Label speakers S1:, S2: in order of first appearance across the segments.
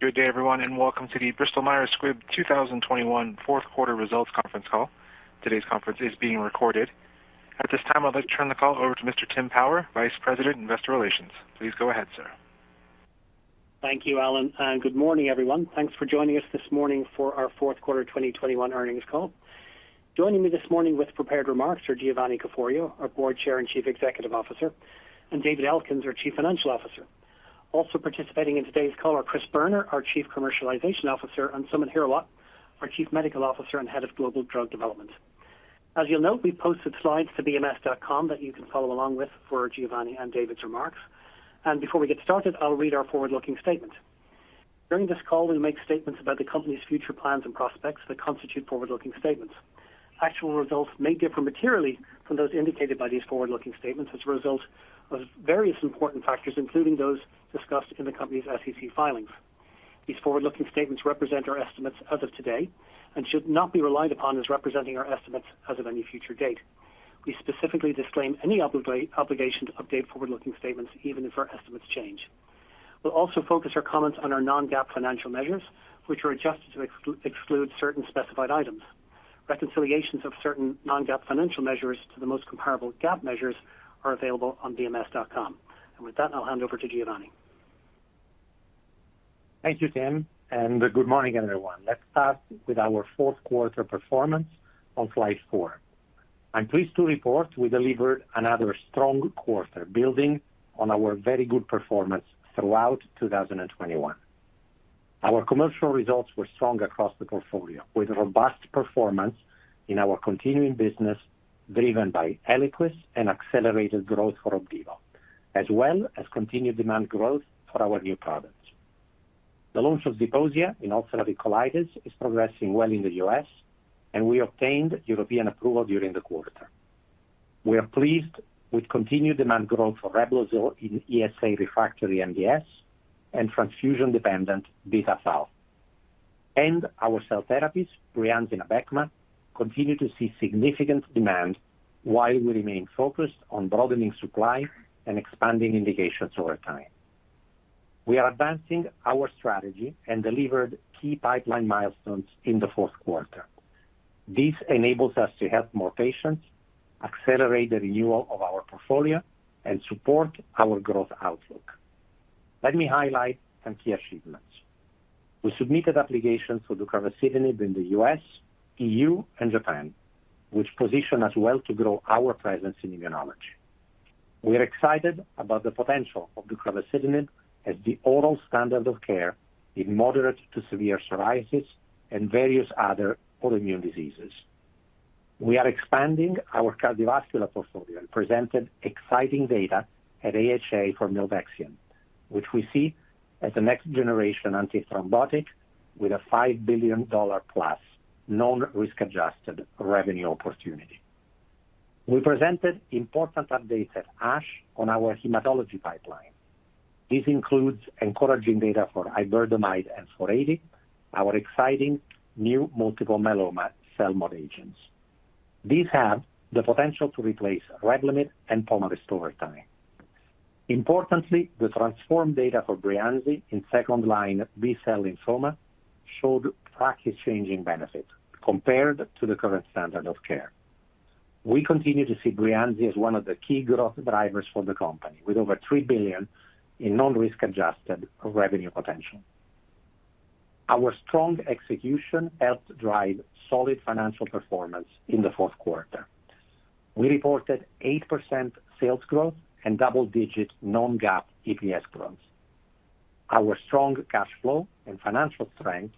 S1: Good day, everyone, and welcome to the Bristol Myers Squibb 2021 fourth quarter results conference call. Today's conference is being recorded. At this time, I'd like to turn the call over to Mr. Tim Power, Vice President, Investor Relations. Please go ahead, sir.
S2: Thank you, Alan, and good morning, everyone. Thanks for joining us this morning for our fourth quarter 2021 earnings call. Joining me this morning with prepared remarks are Giovanni Caforio, our Board Chair and Chief Executive Officer, and David Elkins, our Chief Financial Officer. Also participating in today's call are Chris Boerner, our Chief Commercialization Officer, and Samit Hirawat, our Chief Medical Officer and Head of Global Drug Development. As you'll note, we posted slides to bms.com that you can follow along with for Giovanni and David's remarks. Before we get started, I'll read our forward-looking statement. During this call, we make statements about the company's future plans and prospects that constitute forward-looking statements. Actual results may differ materially from those indicated by these forward-looking statements as a result of various important factors, including those discussed in the company's SEC filings. These forward-looking statements represent our estimates as of today and should not be relied upon as representing our estimates as of any future date. We specifically disclaim any obligation to update forward-looking statements, even if our estimates change. We'll also focus our comments on our non-GAAP financial measures, which are adjusted to exclude certain specified items. Reconciliations of certain non-GAAP financial measures to the most comparable GAAP measures are available on bms.com. With that, I'll hand over to Giovanni.
S3: Thank you, Tim, and good morning, everyone. Let's start with our fourth quarter performance on slide four. I'm pleased to report we delivered another strong quarter, building on our very good performance throughout 2021. Our commercial results were strong across the portfolio, with robust performance in our continuing business, driven by Eliquis and accelerated growth for Opdivo, as well as continued demand growth for our new products. The launch of Zeposia in ulcerative colitis is progressing well in the U.S., and we obtained European approval during the quarter. We are pleased with continued demand growth for Reblozyl in ESA refractory MDS and transfusion-dependent [beta-thal]. Our cell therapies, Breyanzi and Abecma, continue to see significant demand while we remain focused on broadening supply and expanding indications over time. We are advancing our strategy and delivered key pipeline milestones in the fourth quarter. This enables us to help more patients, accelerate the renewal of our portfolio, and support our growth outlook. Let me highlight some key achievements. We submitted applications for deucravacitinib in the U.S., E.U., and Japan, which position us well to grow our presence in immunology. We are excited about the potential of deucravacitinib as the oral standard of care in moderate to severe psoriasis and various other autoimmune diseases. We are expanding our cardiovascular portfolio and presented exciting data at AHA for milvexian, which we see as the next generation antithrombotic with a $5 billion+ non-risk adjusted revenue opportunity. We presented important updates at ASH on our hematology pipeline. This includes encouraging data for iberdomide and [mezigdomide], our exciting new multiple myeloma CELMoD agents. These have the potential to replace Revlimid and Pomalyst over time. Importantly, the TRANSFORM data for Breyanzi in second-line B-cell lymphoma showed practice-changing benefits compared to the current standard of care. We continue to see Breyanzi as one of the key growth drivers for the company, with over $3 billion in non-risk adjusted revenue potential. Our strong execution helped drive solid financial performance in the fourth quarter. We reported 8% sales growth and double-digit non-GAAP EPS growth. Our strong cash flow and financial strength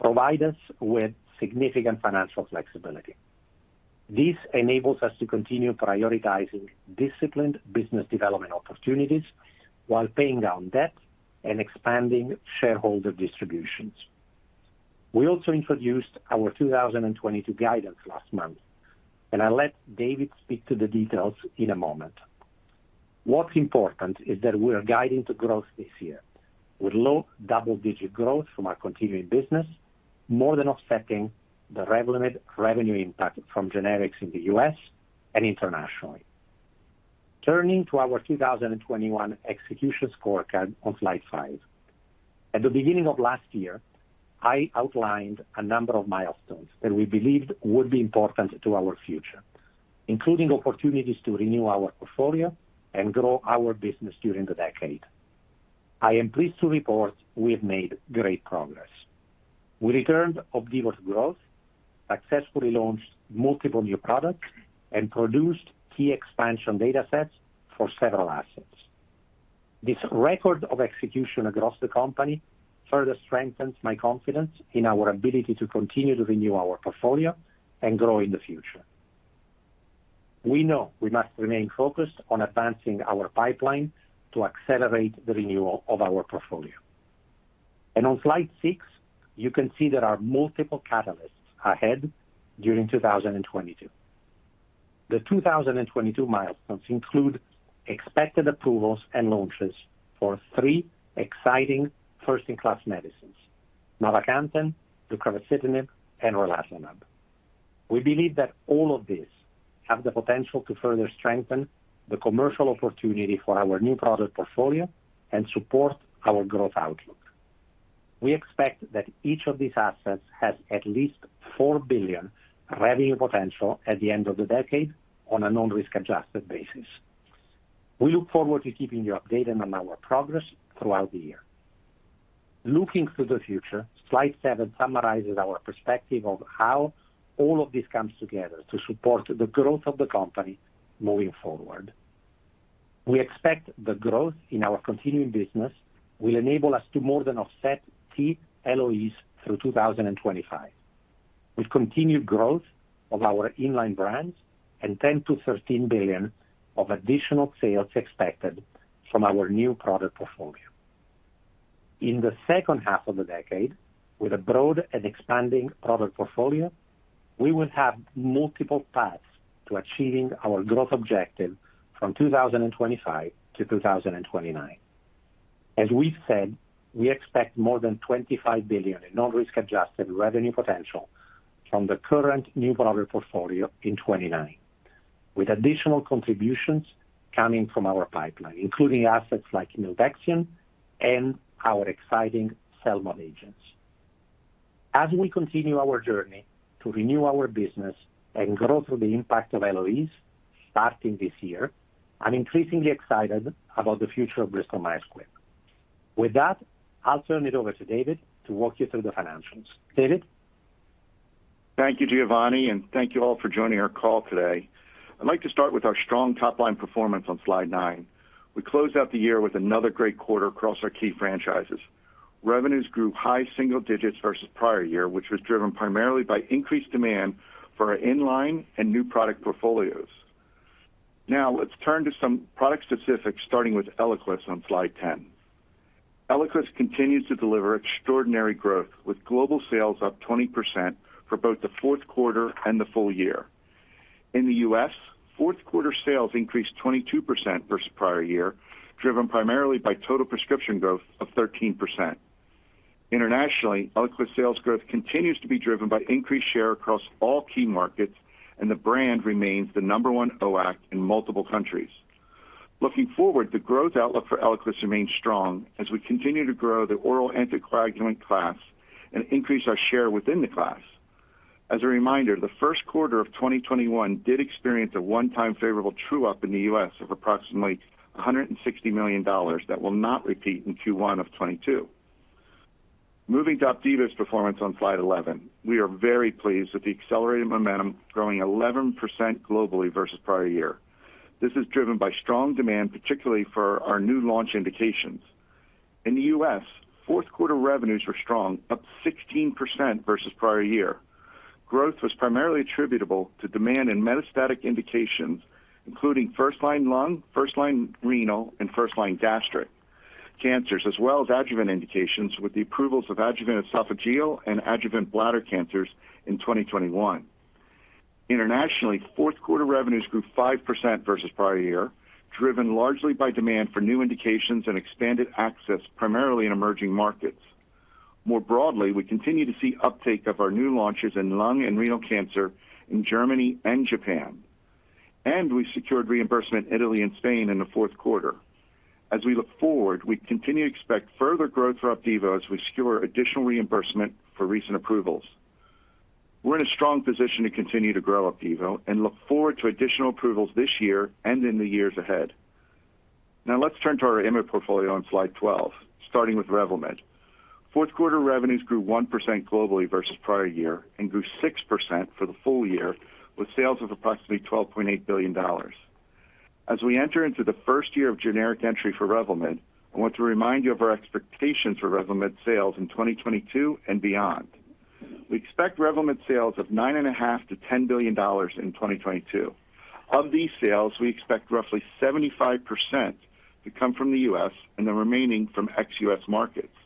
S3: provide us with significant financial flexibility. This enables us to continue prioritizing disciplined business development opportunities while paying down debt and expanding shareholder distributions. We also introduced our 2022 guidance last month, and I'll let David speak to the details in a moment. What's important is that we are guiding to growth this year, with low double-digit growth from our continuing business more than offsetting the Revlimid revenue impact from generics in the U.S. and internationally. Turning to our 2021 execution scorecard on slide five. At the beginning of last year, I outlined a number of milestones that we believed would be important to our future, including opportunities to renew our portfolio and grow our business during the decade. I am pleased to report we have made great progress. We returned Opdivo's growth, successfully launched multiple new products, and produced key expansion datasets for several assets. This record of execution across the company further strengthens my confidence in our ability to continue to renew our portfolio and grow in the future. We know we must remain focused on advancing our pipeline to accelerate the renewal of our portfolio. On slide six, you can see there are multiple catalysts ahead during 2022. The 2022 milestones include expected approvals and launches for three exciting first-in-class medicines, mavacamten, deucravacitinib, and relatlimab. We believe that all of these have the potential to further strengthen the commercial opportunity for our new product portfolio and support our growth outlook. We expect that each of these assets has at least $4 billion revenue potential at the end of the decade on a non-risk-adjusted basis. We look forward to keeping you updated on our progress throughout the year. Looking to the future, slide seven summarizes our perspective of how all of this comes together to support the growth of the company moving forward. We expect the growth in our continuing business will enable us to more than offset key LOEs through 2025, with continued growth of our in-line brands and $10 billion-$13 billion of additional sales expected from our new product portfolio. In the second half of the decade, with a broad and expanding product portfolio, we will have multiple paths to achieving our growth objective from 2025 to 2029. As we've said, we expect more than $25 billion in non-risk-adjusted revenue potential from the current new product portfolio in 2029, with additional contributions coming from our pipeline, including assets like milvexian and our exciting CELMoD agents. As we continue our journey to renew our business and grow through the impact of LOEs starting this year, I'm increasingly excited about the future of Bristol-Myers Squibb. With that, I'll turn it over to David to walk you through the financials. David?
S4: Thank you, Giovanni, and thank you all for joining our call today. I'd like to start with our strong top-line performance on slide nine. We closed out the year with another great quarter across our key franchises. Revenues grew high single digits versus prior year, which was driven primarily by increased demand for our in-line and new product portfolios. Now let's turn to some product specifics, starting with Eliquis on slide 10. Eliquis continues to deliver extraordinary growth, with global sales up 20% for both the fourth quarter and the full year. In the U.S., fourth quarter sales increased 22% versus prior year, driven primarily by total prescription growth of 13%. Internationally, Eliquis sales growth continues to be driven by increased share across all key markets, and the brand remains the number one OAC in multiple countries. Looking forward, the growth outlook for Eliquis remains strong as we continue to grow the oral anticoagulant class and increase our share within the class. As a reminder, the first quarter of 2021 did experience a one-time favorable true-up in the U.S. of approximately $160 million that will not repeat in Q1 of 2022. Moving to Opdivo's performance on slide 11. We are very pleased with the accelerated momentum, growing 11% globally versus prior year. This is driven by strong demand, particularly for our new launch indications. In the U.S., fourth quarter revenues were strong, up 16% versus prior year. Growth was primarily attributable to demand in metastatic indications, including first-line lung, first-line renal, and first-line gastric cancers, as well as adjuvant indications with the approvals of adjuvant esophageal and adjuvant bladder cancers in 2021. Internationally, fourth quarter revenues grew 5% versus prior year, driven largely by demand for new indications and expanded access, primarily in emerging markets. More broadly, we continue to see uptake of our new launches in lung and renal cancer in Germany and Japan, and we secured reimbursement in Italy and Spain in the fourth quarter. As we look forward, we continue to expect further growth for Opdivo as we secure additional reimbursement for recent approvals. We're in a strong position to continue to grow Opdivo and look forward to additional approvals this year and in the years ahead. Now let's turn to our Immuno portfolio on slide 12, starting with Revlimid. Fourth quarter revenues grew 1% globally versus prior year and grew 6% for the full year, with sales of approximately $12.8 billion. As we enter into the first year of generic entry for Revlimid, I want to remind you of our expectations for Revlimid sales in 2022 and beyond. We expect Revlimid sales of $9.5 billion-$10 billion in 2022. Of these sales, we expect roughly 75% to come from the U.S. and the remaining from ex-U.S. markets.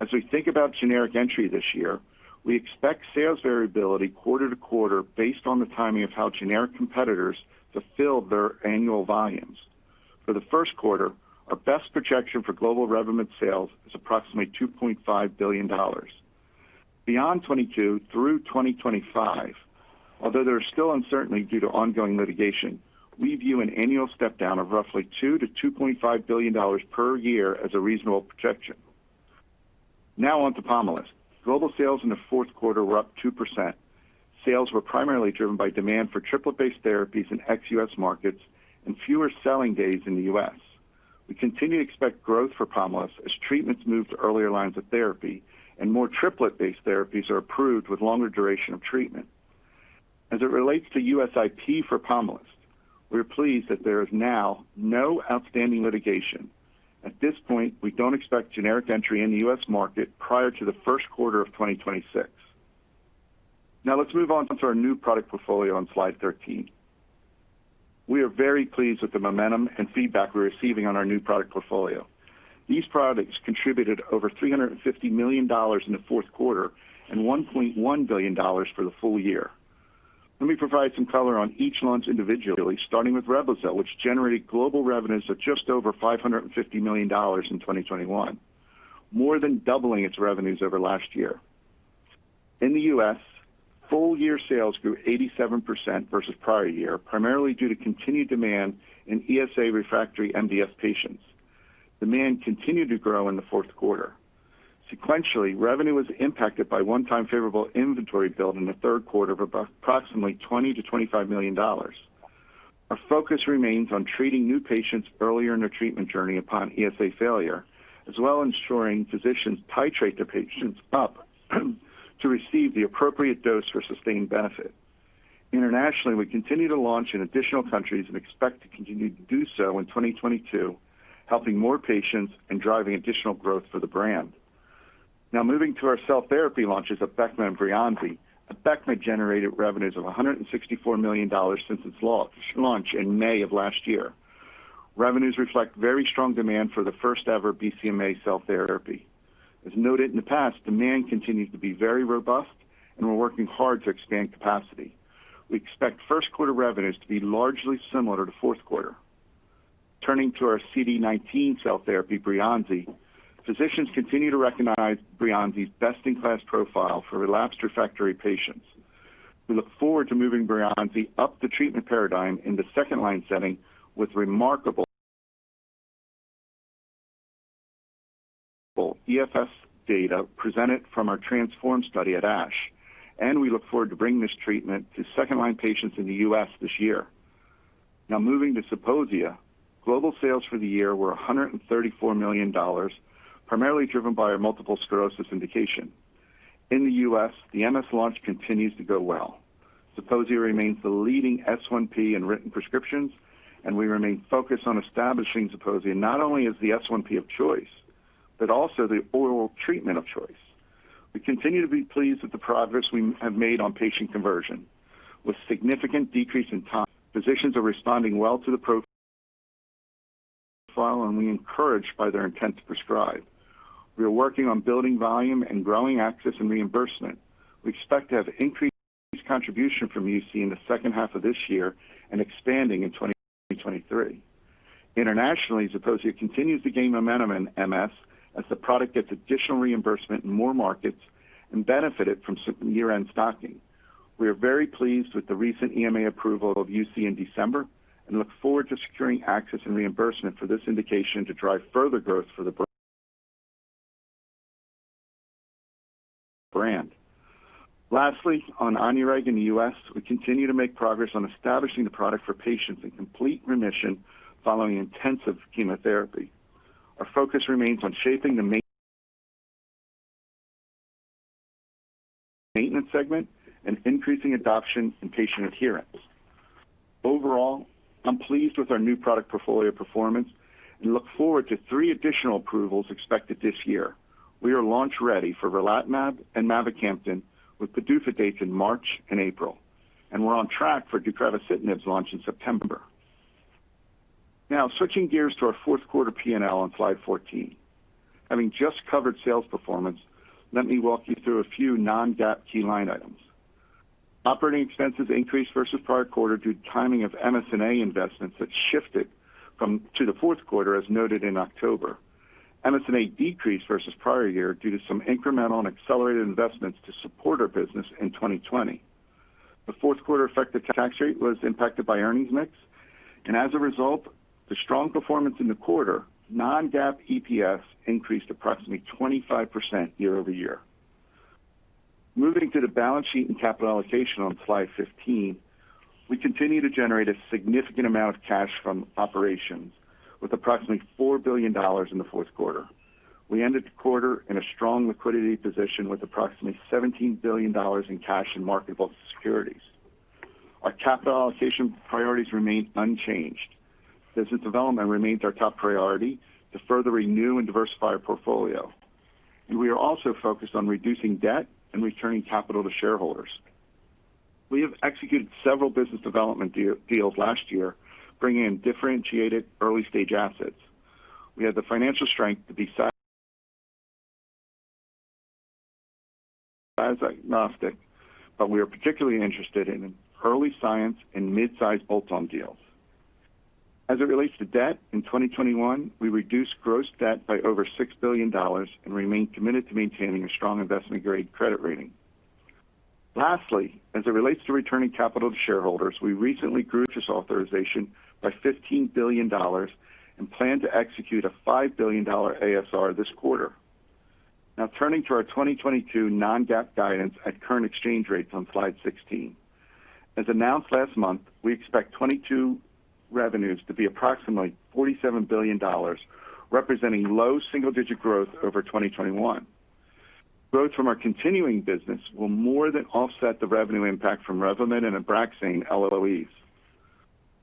S4: As we think about generic entry this year, we expect sales variability quarter to quarter based on the timing of how generic competitors fulfill their annual volumes. For the first quarter, our best projection for global Revlimid sales is approximately $2.5 billion. Beyond 2022 through 2025, although there is still uncertainty due to ongoing litigation, we view an annual step-down of roughly $2 billion-$2.5 billion per year as a reasonable projection. Now on to Pomalyst. Global sales in the fourth quarter were up 2%. Sales were primarily driven by demand for triplet-based therapies in ex-U.S. markets and fewer selling days in the U.S. We continue to expect growth for Pomalyst as treatments move to earlier lines of therapy and more triplet-based therapies are approved with longer duration of treatment. As it relates to U.S. IP for Pomalyst, we are pleased that there is now no outstanding litigation. At this point, we don't expect generic entry in the U.S. market prior to the first quarter of 2026. Now let's move on to our new product portfolio on slide 13. We are very pleased with the momentum and feedback we're receiving on our new product portfolio. These products contributed over $350 million in the fourth quarter and $1.1 billion for the full year. Let me provide some color on each launch individually, starting with Reblozyl, which generated global revenues of just over $550 million in 2021. More than doubling its revenues over last year. In the U.S., full year sales grew 87% versus prior year, primarily due to continued demand in ESA refractory MDS patients. Demand continued to grow in the fourth quarter. Sequentially, revenue was impacted by one-time favorable inventory build in the third quarter of approximately $20 million-$25 million. Our focus remains on treating new patients earlier in their treatment journey upon ESA failure, as well as ensuring physicians titrate their patients up to receive the appropriate dose for sustained benefit. Internationally, we continue to launch in additional countries and expect to continue to do so in 2022, helping more patients and driving additional growth for the brand. Now moving to our cell therapy launches of Abecma and Breyanzi. Abecma generated revenues of $164 million since its launch in May of last year. Revenues reflect very strong demand for the first-ever BCMA cell therapy. As noted in the past, demand continues to be very robust and we're working hard to expand capacity. We expect first quarter revenues to be largely similar to fourth quarter. Turning to our CD19 cell therapy, Breyanzi. Physicians continue to recognize Breyanzi's best-in-class profile for relapsed refractory patients. We look forward to moving Breyanzi up the treatment paradigm in the second-line setting with remarkable EFS data presented from our TRANSFORM study at ASH, and we look forward to bringing this treatment to second-line patients in the U.S. this year. Now moving to Zeposia. Global sales for the year were $134 million, primarily driven by our multiple sclerosis indication. In the U.S., the MS launch continues to go well. Zeposia remains the leading S1P in written prescriptions, and we remain focused on establishing Zeposia not only as the S1P of choice, but also the oral treatment of choice. We continue to be pleased with the progress we have made on patient conversion. With significant decrease in time, physicians are responding well to the profile, and we are encouraged by their intent to prescribe. We are working on building volume and growing access and reimbursement. We expect to have increased contribution from UC in the second half of this year and expanding in 2023. Internationally, Zeposia continues to gain momentum in MS as the product gets additional reimbursement in more markets and benefited from certain year-end stocking. We are very pleased with the recent EMA approval of UC in December and look forward to securing access and reimbursement for this indication to drive further growth for the brand. Lastly, on Onureg in the U.S., we continue to make progress on establishing the product for patients in complete remission following intensive chemotherapy. Our focus remains on shaping the maintenance segment and increasing adoption and patient adherence. Overall, I'm pleased with our new product portfolio performance and look forward to three additional approvals expected this year. We are launch ready for relatlimab and mavacamten with PDUFA dates in March and April, and we're on track for deucravacitinib's launch in September. Now, switching gears to our fourth quarter P&L on slide 14. Having just covered sales performance, let me walk you through a few non-GAAP key line items. Operating expenses increased versus prior quarter due to timing of MS&A investments that shifted to the fourth quarter, as noted in October. MS&A decreased versus prior year due to some incremental and accelerated investments to support our business in 2020. The fourth quarter effective tax rate was impacted by earnings mix. As a result, the strong performance in the quarter, non-GAAP EPS increased approximately 25% year-over-year. Moving to the balance sheet and capital allocation on slide 15. We continue to generate a significant amount of cash from operations with approximately $4 billion in the fourth quarter. We ended the quarter in a strong liquidity position with approximately $17 billion in cash and marketable securities. Our capital allocation priorities remain unchanged. Business development remains our top priority to further renew and diversify our portfolio. We are also focused on reducing debt and returning capital to shareholders. We have executed several business development deals last year, bringing in differentiated early-stage assets. We have the financial strength to be size-agnostic, but we are particularly interested in early science and mid-size bolt-on deals. As it relates to debt, in 2021, we reduced gross debt by over $6 billion and remain committed to maintaining a strong investment-grade credit rating. Lastly, as it relates to returning capital to shareholders, we recently grew this authorization by $15 billion and plan to execute a $5 billion ASR this quarter. Now turning to our 2022 non-GAAP guidance at current exchange rates on slide 16. As announced last month, we expect 2022 revenues to be approximately $47 billion, representing low-single-digit growth over 2021. Growth from our continuing business will more than offset the revenue impact from Revlimid and Abraxane LOEs.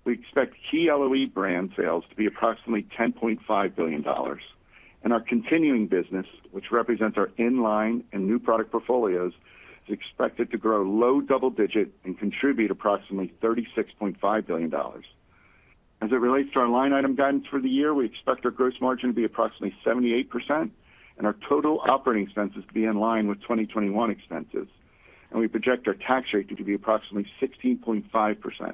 S4: We expect key LOE brand sales to be approximately $10.5 billion. Our continuing business, which represents our in-line and new product portfolios, is expected to grow low-double-digit and contribute approximately $36.5 billion. As it relates to our line item guidance for the year, we expect our gross margin to be approximately 78% and our total operating expenses to be in line with 2021 expenses. We project our tax rate to be approximately 16.5%.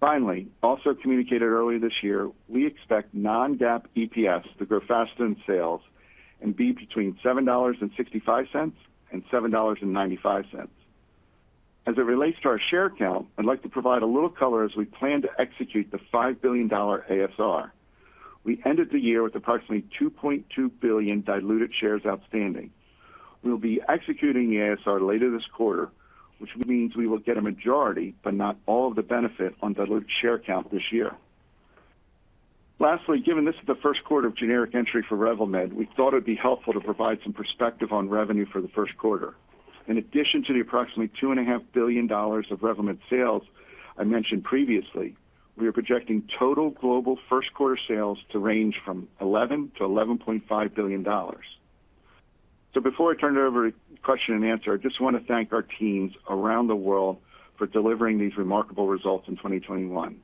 S4: Finally, also communicated earlier this year, we expect non-GAAP EPS to grow faster than sales and be between $7.65 and $7.95. As it relates to our share count, I'd like to provide a little color as we plan to execute the $5 billion ASR. We ended the year with approximately 2.2 billion diluted shares outstanding. We'll be executing the ASR later this quarter, which means we will get a majority, but not all of the benefit on diluted share count this year. Lastly, given this is the first quarter of generic entry for Revlimid, we thought it'd be helpful to provide some perspective on revenue for the first quarter. In addition to the approximately $2.5 billion of Revlimid sales I mentioned previously, we are projecting total global first quarter sales to range from $11 billion-$11.5 billion. Before I turn it over to question and answer, I just want to thank our teams around the world for delivering these remarkable results in 2021.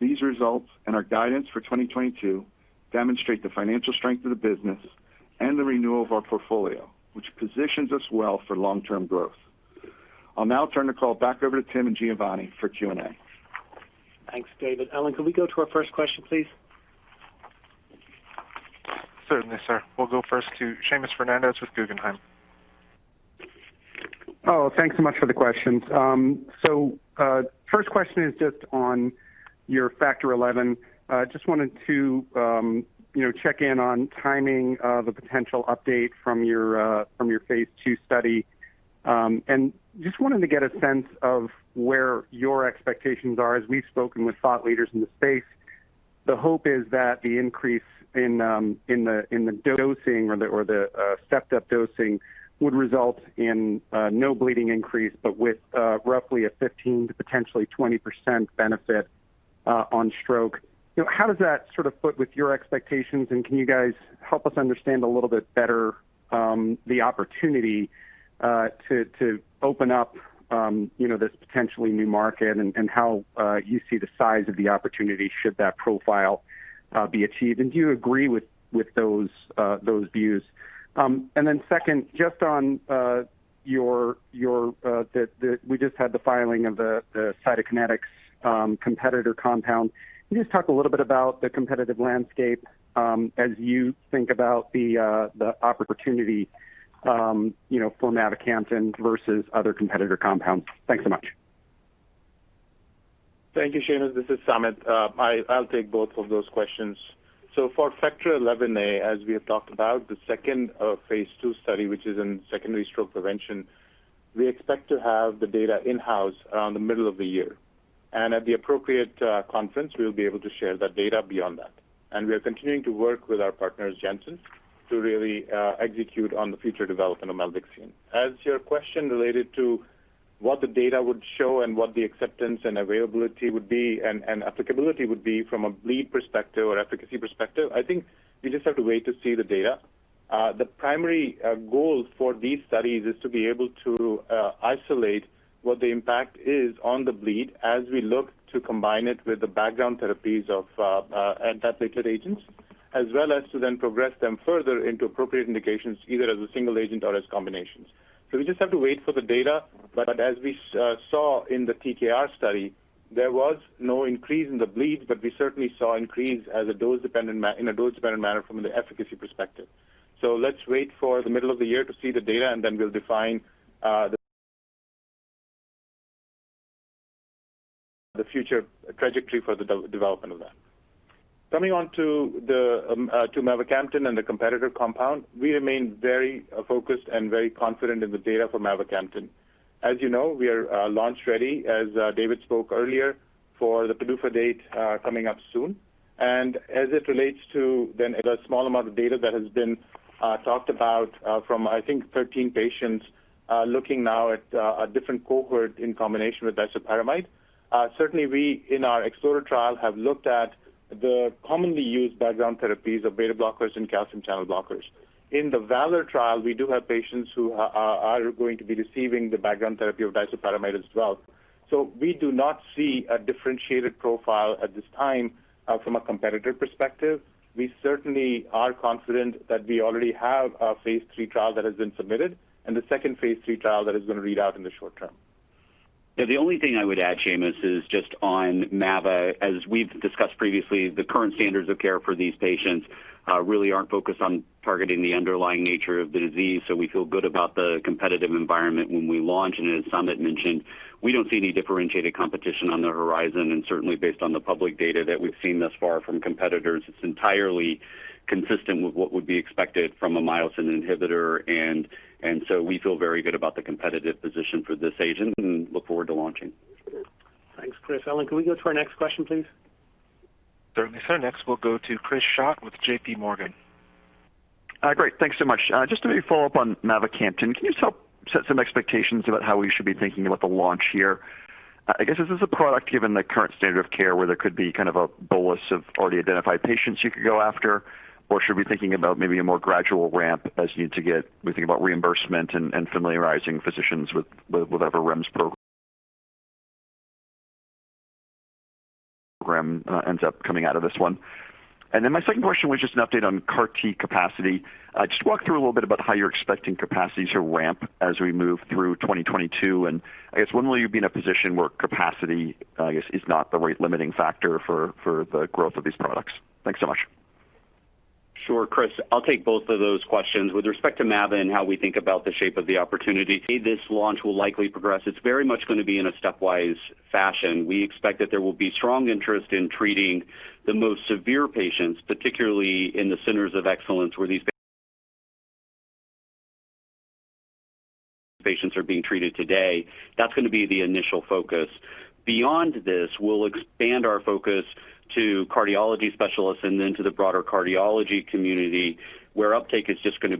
S4: These results and our guidance for 2022 demonstrate the financial strength of the business and the renewal of our portfolio, which positions us well for long-term growth. I'll now turn the call back over to Tim and Giovanni for Q&A.
S2: Thanks, David. Alan, could we go to our first question, please?
S1: Certainly, sir. We'll go first to Seamus Fernandez with Guggenheim.
S5: Oh, thanks so much for the questions. First question is just on your Factor XI. Just wanted to, you know, check in on timing of a potential update from your phase II study. Just wanted to get a sense of where your expectations are. As we've spoken with thought leaders in the space, the hope is that the increase in the dosing or the stepped-up dosing would result in no bleeding increase, but with roughly a 15% to potentially 20% benefit on stroke. You know, how does that sort of fit with your expectations? Can you guys help us understand a little bit better the opportunity to open up you know this potentially new market and how you see the size of the opportunity should that profile be achieved? Do you agree with those views? Then second, just on. We just had the filing of the Cytokinetics competitor compound. Can you just talk a little bit about the competitive landscape as you think about the opportunity you know for mavacamten versus other competitor compounds? Thanks so much.
S6: Thank you, Seamus. This is Samit. I'll take both of those questions. For Factor XIa, as we have talked about, the second phase II study, which is in secondary stroke prevention, we expect to have the data in-house around the middle of the year. At the appropriate conference, we'll be able to share that data beyond that. We are continuing to work with our partners, Janssen, to really execute on the future development of milvexian. As to your question related to what the data would show and what the acceptance and availability would be and applicability would be from a bleed perspective or efficacy perspective, I think we just have to wait to see the data. The primary goal for these studies is to be able to isolate what the impact is on the bleed as we look to combine it with the background therapies of antiplatelet agents, as well as to then progress them further into appropriate indications, either as a single agent or as combinations. We just have to wait for the data. As we saw in the TKR study, there was no increase in the bleeds, but we certainly saw increase in a dose-dependent manner from the efficacy perspective. Let's wait for the middle of the year to see the data, and then we'll define the future trajectory for the development of that. Coming on to mavacamten and the competitor compound, we remain very focused and very confident in the data for mavacamten. As you know, we are launch-ready, as David spoke earlier, for the PDUFA date coming up soon. As it relates to the small amount of data that has been talked about from I think 13 patients looking now at a different cohort in combination with disopyramide. Certainly we in our EXPLORER trial have looked at the commonly used background therapies of beta blockers and calcium channel blockers. In the VALOR trial, we do have patients who are going to be receiving the background therapy of disopyramide as well. We do not see a differentiated profile at this time from a competitor perspective. We certainly are confident that we already have a phase III trial that has been submitted and the second phase III trial that is going to read out in the short term.
S7: Yeah. The only thing I would add, Seamus, is just on mavacamten. As we've discussed previously, the current standards of care for these patients really aren't focused on targeting the underlying nature of the disease, so we feel good about the competitive environment when we launch. As Samit mentioned, we don't see any differentiated competition on the horizon. Certainly based on the public data that we've seen thus far from competitors, it's entirely consistent with what would be expected from a myosin inhibitor. So we feel very good about the competitive position for this agent and look forward to launching.
S2: Thanks, Chris. Alan, can we go to our next question, please?
S1: Certainly, sir. Next, we'll go to Chris Schott with JPMorgan.
S8: Great. Thanks so much. Just to follow up on mavacamten, can you set some expectations about how we should be thinking about the launch here? I guess, is this a product, given the current standard of care, where there could be kind of a bolus of already identified patients you could go after? Or should we be thinking about maybe a more gradual ramp as you need to get reimbursement and familiarizing physicians with whatever REMS program ends up coming out of this one. My second question was just an update on CAR-T capacity. Just walk through a little bit about how you're expecting capacities to ramp as we move through 2022. I guess when will you be in a position where capacity is not the right limiting factor for the growth of these products? Thanks so much.
S7: Sure, Chris. I'll take both of those questions. With respect to mavacamten and how we think about the shape of the opportunity, this launch will likely progress. It's very much gonna be in a stepwise fashion. We expect that there will be strong interest in treating the most severe patients, particularly in the centers of excellence where these patients are being treated today. That's gonna be the initial focus. Beyond this, we'll expand our focus to cardiology specialists and then to the broader cardiology community, where uptake is just gonna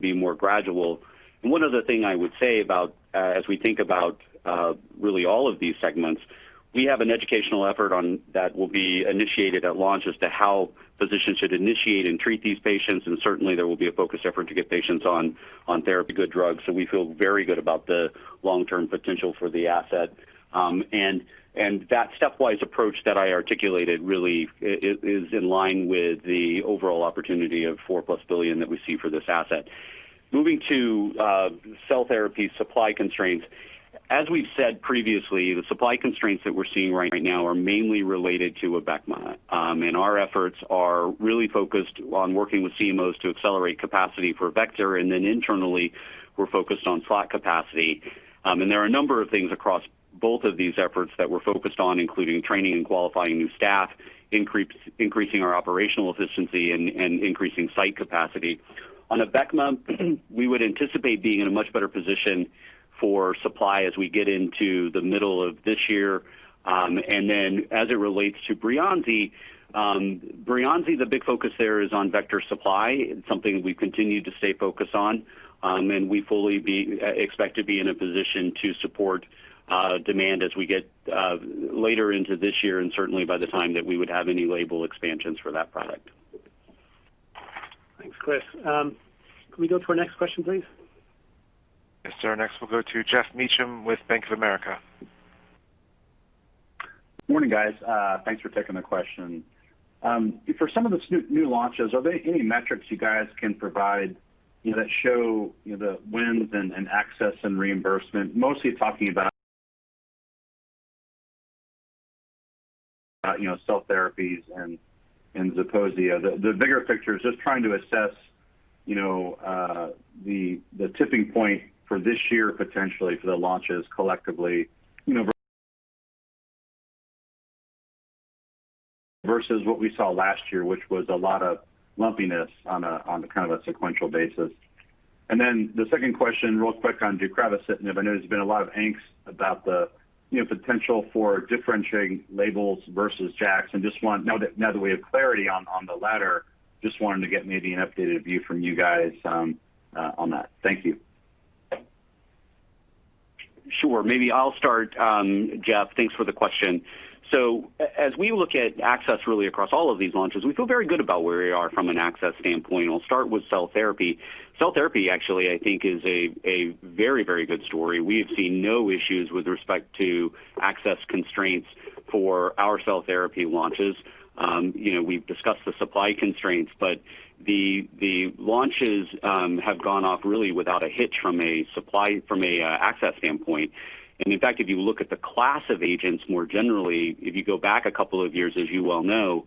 S7: be more gradual. One other thing I would say about as we think about really all of these segments, we have an educational effort on that will be initiated at launch as to how physicians should initiate and treat these patients. Certainly, there will be a focused effort to get patients on therapy, good drugs, so we feel very good about the long-term potential for the asset. That stepwise approach that I articulated really is in line with the overall opportunity of $4+ billion that we see for this asset. Moving to cell therapy supply constraints. As we've said previously, the supply constraints that we're seeing right now are mainly related to Abecma. Our efforts are really focused on working with CMOs to accelerate capacity for vector, and then internally, we're focused on slot capacity. There are a number of things across both of these efforts that we're focused on, including training and qualifying new staff, increasing our operational efficiency and increasing site capacity. On Abecma, we would anticipate being in a much better position for supply as we get into the middle of this year. As it relates to Breyanzi, the big focus there is on vector supply. It's something we continue to stay focused on, and we fully expect to be in a position to support demand as we get later into this year and certainly by the time that we would have any label expansions for that product.
S2: Thanks, Chris. Can we go to our next question, please?
S1: Yes, sir. Next we'll go to Geoff Meacham with Bank of America.
S9: Morning, guys. Thanks for taking the question. For some of the new launches, are there any metrics you guys can provide, you know, that show, you know, the wins and access and reimbursement? Mostly talking about, you know, cell therapies and Zeposia. The bigger picture is just trying to assess, you know, the tipping point for this year, potentially for the launches collectively, you know, versus what we saw last year, which was a lot of lumpiness on a kind of sequential basis. Then the second question, real quick on deucravacitinib. I know there's been a lot of angst about the potential for differentiating labels versus JAK. I just want, now that we have clarity on the latter, to get maybe an updated view from you guys on that. Thank you.
S7: Sure. Maybe I'll start. Geoff, thanks for the question. As we look at access really across all of these launches, we feel very good about where we are from an access standpoint. I'll start with cell therapy. Cell therapy actually I think is a very, very good story. We have seen no issues with respect to access constraints for our cell therapy launches. You know, we've discussed the supply constraints, but the launches have gone off really without a hitch from an access standpoint. In fact, if you look at the class of agents more generally, if you go back a couple of years, as you well know,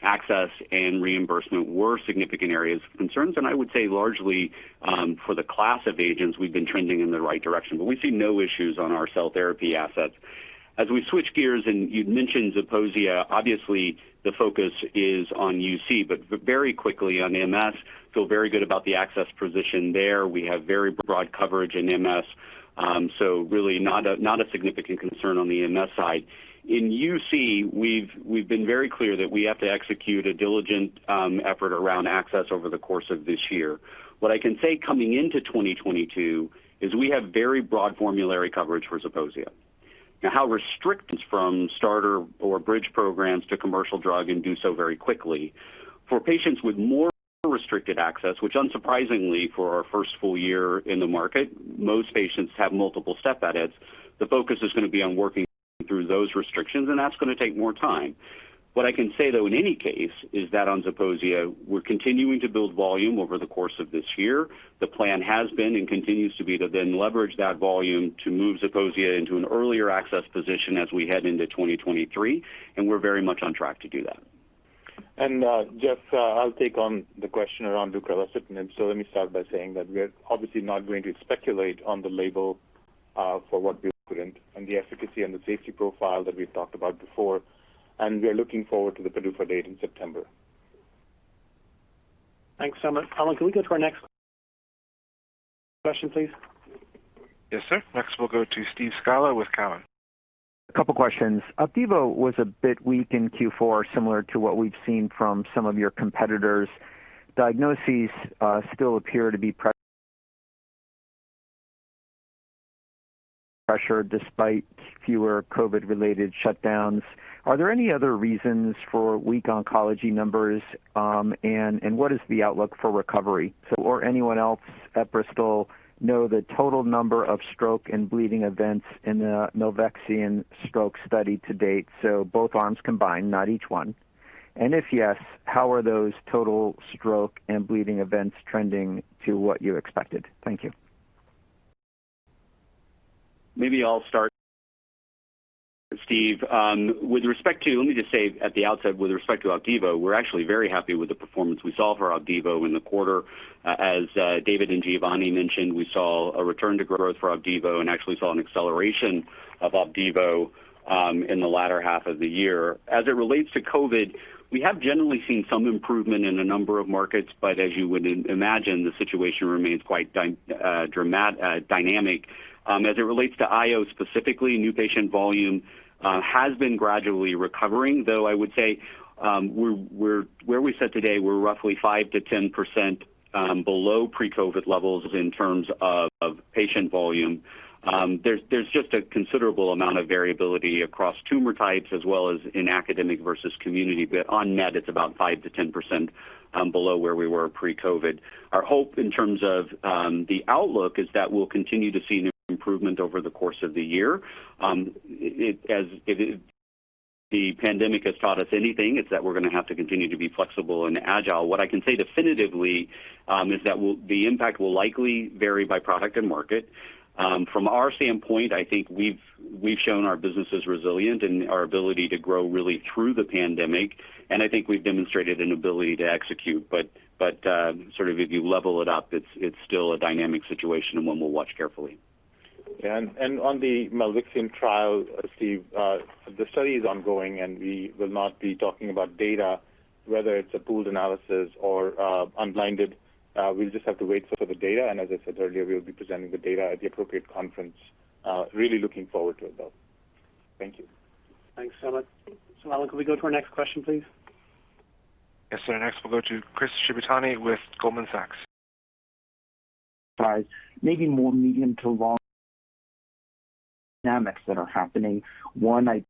S7: access and reimbursement were significant areas of concerns. I would say largely, for the class of agents, we've been trending in the right direction. We see no issues on our cell therapy assets. As we switch gears, and you'd mentioned Zeposia, obviously the focus is on UC. Very quickly on MS, we feel very good about the access position there. We have very broad coverage in MS, so really not a significant concern on the MS side. In UC, we've been very clear that we have to execute a diligent effort around access over the course of this year. What I can say coming into 2022 is we have very broad formulary coverage for Zeposia. Now, we have restrictions from starter or bridge programs to commercial drug and do so very quickly. For patients with more restricted access, which unsurprisingly for our first full year in the market, most patients have multiple step edits. The focus is gonna be on working through those restrictions, and that's gonna take more time. What I can say, though, in any case, is that on Zeposia, we're continuing to build volume over the course of this year. The plan has been and continues to be to then leverage that volume to move Zeposia into an earlier access position as we head into 2023, and we're very much on track to do that.
S6: Geoff, I'll take on the question around deucravacitinib. Let me start by saying that we are obviously not going to speculate on the label for what we couldn't and the efficacy and the safety profile that we've talked about before, and we are looking forward to the PDUFA date in September.
S2: Thanks so much. Alan, can we go to our next question, please?
S1: Yes, sir. Next we'll go to Steve Scala with Cowen.
S10: A couple questions. Opdivo was a bit weak in Q4, similar to what we've seen from some of your competitors. Diagnoses still appear to be pre-pressured despite fewer COVID related shutdowns. Are there any other reasons for weak oncology numbers and what is the outlook for recovery? Does anyone else at Bristol know the total number of stroke and bleeding events in the milvexian stroke study to date, so both arms combined, not each one. If yes, how are those total stroke and bleeding events trending to what you expected? Thank you.
S7: Maybe I'll start, Steve. Let me just say at the outset, with respect to Opdivo, we're actually very happy with the performance we saw for Opdivo in the quarter. As David and Giovanni mentioned, we saw a return to growth for Opdivo and actually saw an acceleration of Opdivo in the latter half of the year. As it relates to COVID, we have generally seen some improvement in a number of markets, but as you would imagine, the situation remains quite dynamic. As it relates to IO specifically, new patient volume has been gradually recovering, though I would say, we're where we sit today, we're roughly 5%-10% below pre-COVID levels in terms of patient volume. There's just a considerable amount of variability across tumor types as well as in academic versus community, but on net, it's about 5%-10% below where we were pre-COVID. Our hope in terms of the outlook is that we'll continue to see new improvement over the course of the year. As it is, the pandemic has taught us anything, it's that we're gonna have to continue to be flexible and agile. What I can say definitively is that the impact will likely vary by product and market. From our standpoint, I think we've shown our business is resilient and our ability to grow really through the pandemic, and I think we've demonstrated an ability to execute. Sort of if you level it up, it's still a dynamic situation and one we'll watch carefully.
S6: On the milvexian trial, Steve, the study is ongoing, and we will not be talking about data, whether it's a pooled analysis or unblinded. We'll just have to wait for the data, and as I said earlier, we'll be presenting the data at the appropriate conference. Really looking forward to it though. Thank you.
S2: Thanks, Samit. Alan, can we go to our next question, please?
S1: Yes, sir. Next we'll go to Chris Shibutani with Goldman Sachs.
S11: Maybe more medium to long-term dynamics that are happening. One, I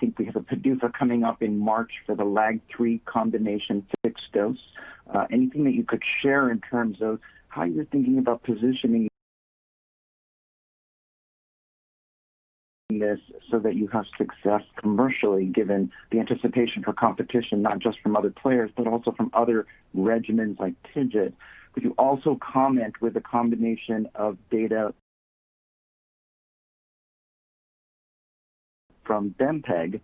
S11: think we have a PDUFA coming up in March for the LAG-3 combination fixed-dose. Anything that you could share in terms of how you're thinking about positioning this so that you have success commercially, given the anticipation for competition, not just from other players, but also from other regimens like TIGIT. Could you also comment on a combination of data from [bempeg]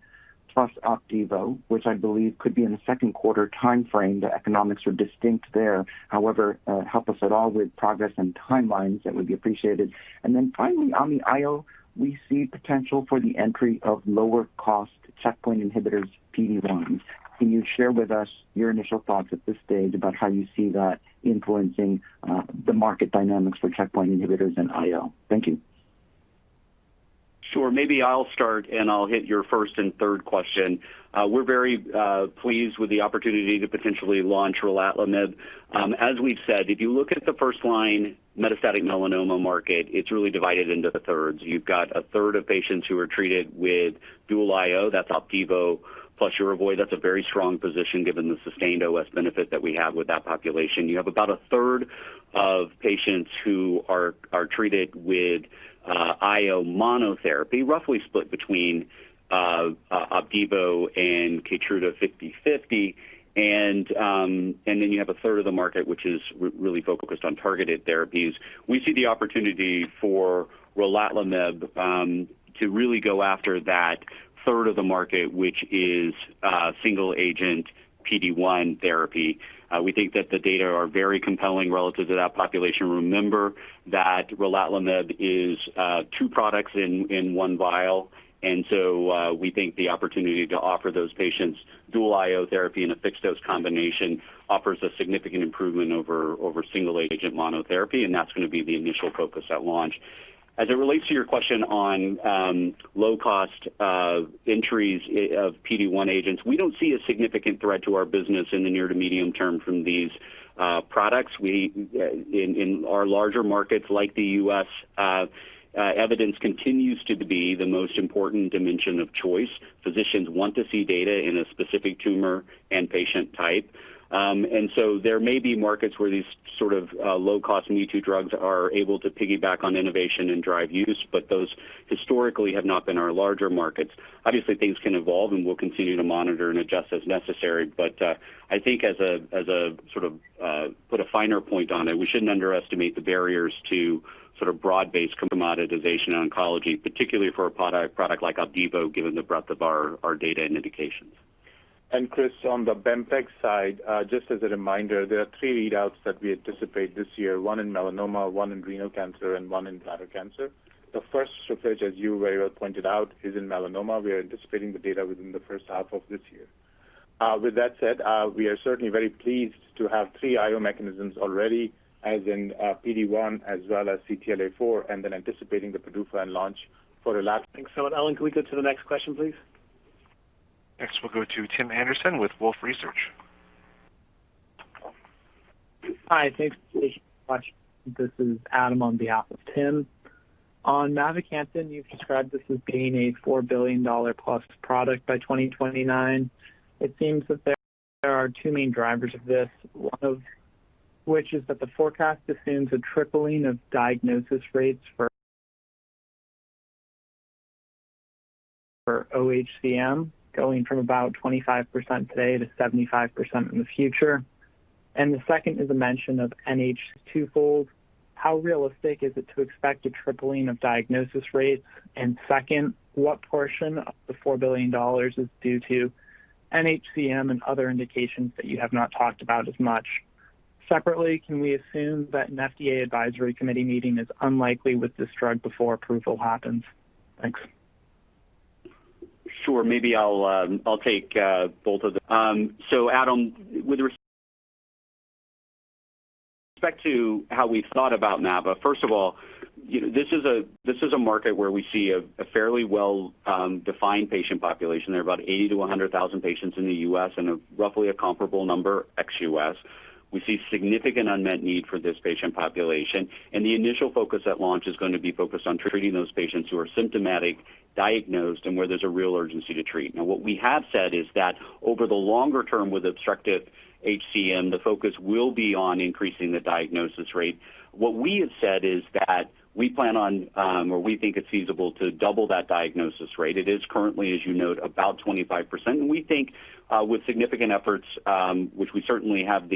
S11: plus Opdivo, which I believe could be in the second quarter timeframe, the economics are distinct there. However, help us at all with progress and timelines, that would be appreciated. Then finally, on the IO, we see potential for the entry of lower cost checkpoint inhibitors, PD-1. Can you share with us your initial thoughts at this stage about how you see that influencing, the market dynamics for checkpoint inhibitors in IO? Thank you.
S7: Sure. Maybe I'll start, and I'll hit your first and third question. We're very pleased with the opportunity to potentially launch relatlimab. As we've said, if you look at the first-line metastatic melanoma market, it's really divided into thirds. You've got 1/3 of patients who are treated with dual IO, that's Opdivo plus Yervoy. That's a very strong position given the sustained OS benefit that we have with that population. You have about 1/3 of patients who are treated with IO monotherapy, roughly split between Opdivo and Keytruda 50/50. You have 1/3 of the market which is really focused on targeted therapies. We see the opportunity for relatlimab to really go after that 1/3 of the market, which is single agent PD-1 therapy. We think that the data are very compelling relative to that population. Remember that relatlimab is two products in one vial. We think the opportunity to offer those patients dual IO therapy in a fixed dose combination offers a significant improvement over single agent monotherapy, and that's gonna be the initial focus at launch. As it relates to your question on low cost entries of PD-1 agents, we don't see a significant threat to our business in the near to medium term from these products. In our larger markets like the U.S., evidence continues to be the most important dimension of choice. Physicians want to see data in a specific tumor and patient type. There may be markets where these sort of low-cost me-too drugs are able to piggyback on innovation and drive use, but those historically have not been our larger markets. Obviously, things can evolve, and we'll continue to monitor and adjust as necessary. I think as a sort of put a finer point on it, we shouldn't underestimate the barriers to sort of broad-based commoditization oncology, particularly for a product like Opdivo, given the breadth of our data and indications.
S6: Chris, on the [bempeg] side, just as a reminder, there are three readouts that we anticipate this year, one in melanoma, one in renal cancer, and one in bladder cancer. The first study, as you very well pointed out, is in melanoma. We are anticipating the data within the first half of this year. With that said, we are certainly very pleased to have three IO mechanisms already as in, PD-1 as well as CTLA-4, and then anticipating the PDUFA and launch for the last-
S8: Thanks so much. Alan, can we go to the next question, please?
S1: Next, we'll go to Tim Anderson with Wolfe Research.
S12: Hi. Thanks for taking my question. This is Adam on behalf of Tim. On mavacamten, you've described this as being a $4 billion-plus product by 2029. It seems that there are two main drivers of this, one of which is that the forecast assumes a tripling of diagnosis rates for oHCM, going from about 25% today to 75% in the future. The second is a mention of [nH] twofold. How realistic is it to expect a tripling of diagnosis rates? Second, what portion of the $4 billion is due to nHCM and other indications that you have not talked about as much? Separately, can we assume that an FDA advisory committee meeting is unlikely with this drug before approval happens? Thanks.
S7: Sure. Maybe I'll take both of them. Adam, with respect to how we thought about mavacamten, first of all, you know, this is a market where we see a fairly well defined patient population. There are about 80-100,000 patients in the U.S. and a roughly comparable number ex-U.S. We see significant unmet need for this patient population, and the initial focus at launch is gonna be focused on treating those patients who are symptomatic, diagnosed, and where there's a real urgency to treat. Now, what we have said is that over the longer term with obstructive HCM, the focus will be on increasing the diagnosis rate. What we have said is that we plan on, or we think it's feasible to double that diagnosis rate. It is currently, as you note, about 25%. We think with significant efforts, which we certainly have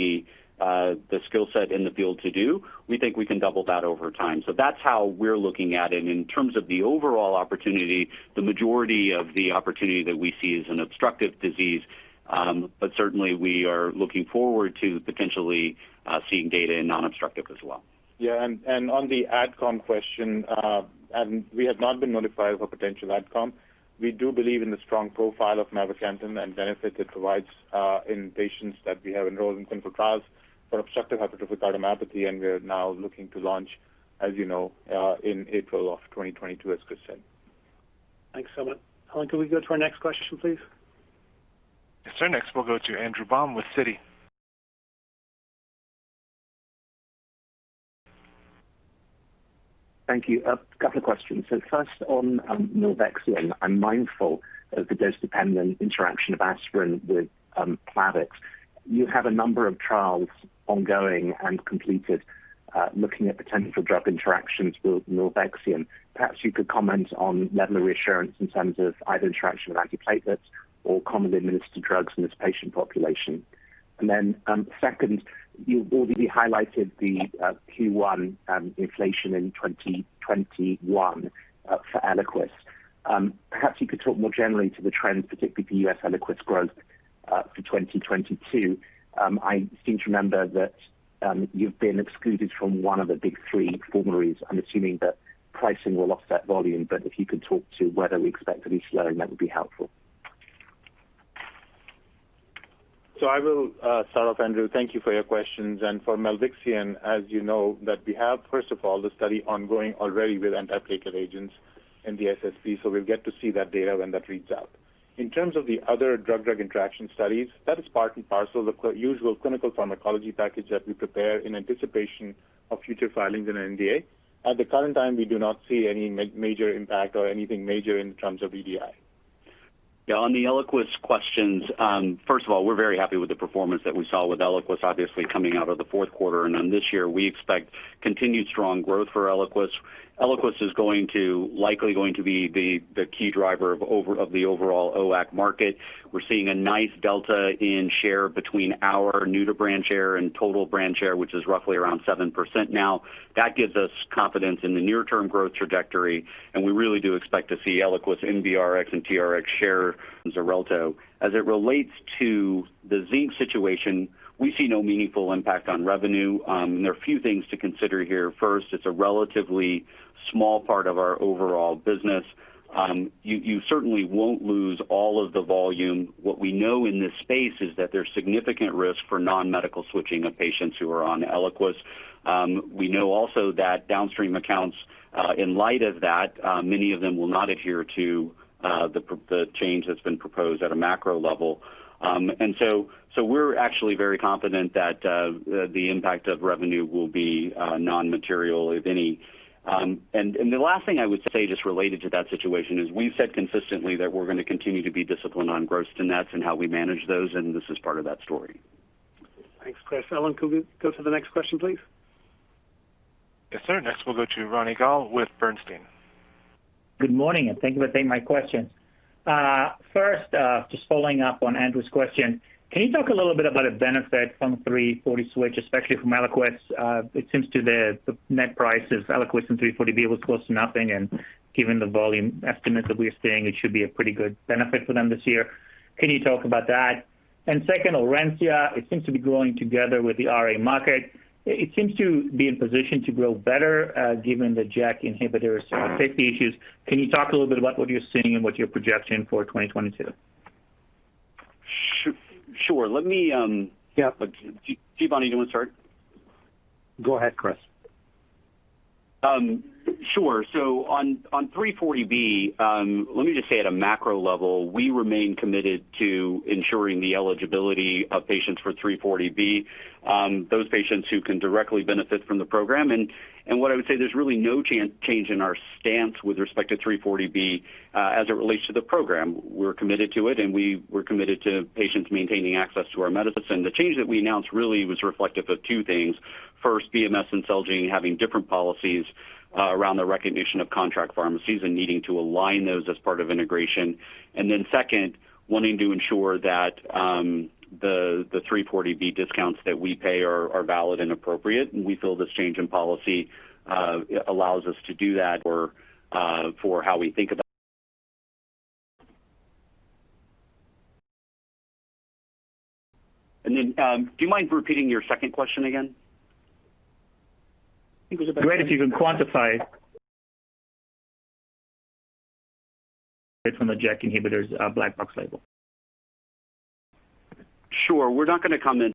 S7: the skill set in the field to do, we think we can double that over time. That's how we're looking at it. In terms of the overall opportunity, the majority of the opportunity that we see is in obstructive disease, but certainly, we are looking forward to potentially seeing data in non-obstructive as well.
S6: On the AdCom question, Adam, we have not been notified of a potential AdCom. We do believe in the strong profile of mavacamten and benefit it provides in patients that we have enrolled in clinical trials for obstructive hypertrophic cardiomyopathy, and we're now looking to launch, as you know, in April of 2022, as Chris said.
S12: Thanks so much. Alan, can we go to our next question, please?
S1: Yes, sir. Next, we'll go to Andrew Baum with Citi.
S13: Thank you. A couple of questions. First on milvexian, I'm mindful of the dose-dependent interaction of aspirin with Plavix. You have a number of trials ongoing and completed looking at potential drug interactions with milvexian. Perhaps you could comment on level of reassurance in terms of either interaction with antiplatelets or commonly administered drugs in this patient population. Second, you've already highlighted the Q1 inflation in 2021 for Eliquis. Perhaps you could talk more generally to the trends, particularly for U.S. Eliquis growth, for 2022. I seem to remember that you've been excluded from one of the big three formularies. I'm assuming that pricing will offset volume, but if you could talk to whether we expect to be slowing, that would be helpful.
S6: I will start off, Andrew. Thank you for your questions. For milvexian, as you know, that we have, first of all, the study ongoing already with antiplatelet agents in the SSP, so we'll get to see that data when that reads out. In terms of the other drug-drug interaction studies, that is part and parcel of the usual clinical pharmacology package that we prepare in anticipation of future filings in an NDA. At the current time, we do not see any major impact or anything major in terms of DDI.
S7: Yeah. On the Eliquis questions, first of all, we're very happy with the performance that we saw with Eliquis, obviously coming out of the fourth quarter. This year, we expect continued strong growth for Eliquis. Eliquis is likely going to be the key driver of the overall OAC market. We're seeing a nice delta in share between our new to brand share and total brand share, which is roughly around 7% now. That gives us confidence in the near term growth trajectory, and we really do expect to see Eliquis in NBRx and TRX share Xarelto. As it relates to the Cigna situation, we see no meaningful impact on revenue. There are a few things to consider here. First, it's a relatively small part of our overall business. You certainly won't lose all of the volume. What we know in this space is that there's significant risk for non-medical switching of patients who are on Eliquis. We know also that downstream accounts, in light of that, many of them will not adhere to the change that's been proposed at a macro level. We're actually very confident that the impact of revenue will be non-material, if any. The last thing I would say just related to that situation is we've said consistently that we're gonna continue to be disciplined on gross to nets and how we manage those, and this is part of that story.
S2: Thanks, Chris. Alan, could we go to the next question, please?
S1: Yes, sir. Next, we'll go to Ronny Gal with Bernstein.
S14: Good morning, and thank you for taking my question. First, just following up on Andrew's question, can you talk a little bit about a benefit from 340 switch, especially from Eliquis? It seems that the net price of Eliquis and 340B was close to nothing, and given the volume estimates that we're seeing, it should be a pretty good benefit for them this year. Can you talk about that? Second, ORENCIA, it seems to be growing together with the RA market. It seems to be in position to grow better, given the JAK inhibitor safety issues. Can you talk a little bit about what you're seeing and what your projection for 2022?
S7: Sure. Let me
S6: Yeah.
S7: Giovanni, you wanna start?
S6: Go ahead, Chris.
S7: Sure. On 340B, let me just say at a macro level, we remain committed to ensuring the eligibility of patients for 340B, those patients who can directly benefit from the program. What I would say, there's really no change in our stance with respect to 340B, as it relates to the program. We're committed to it, and we're committed to patients maintaining access to our medicine. The change that we announced really was reflective of two things. First, BMS and Celgene having different policies around the recognition of contract pharmacies and needing to align those as part of integration. Second, wanting to ensure that the 340B discounts that we pay are valid and appropriate. We feel this change in policy allows us to do that or for how we think about. Do you mind repeating your second question again?
S2: I think it was about.
S7: Great. If you could quantify from the JAK inhibitors black box label. Sure. We're not gonna comment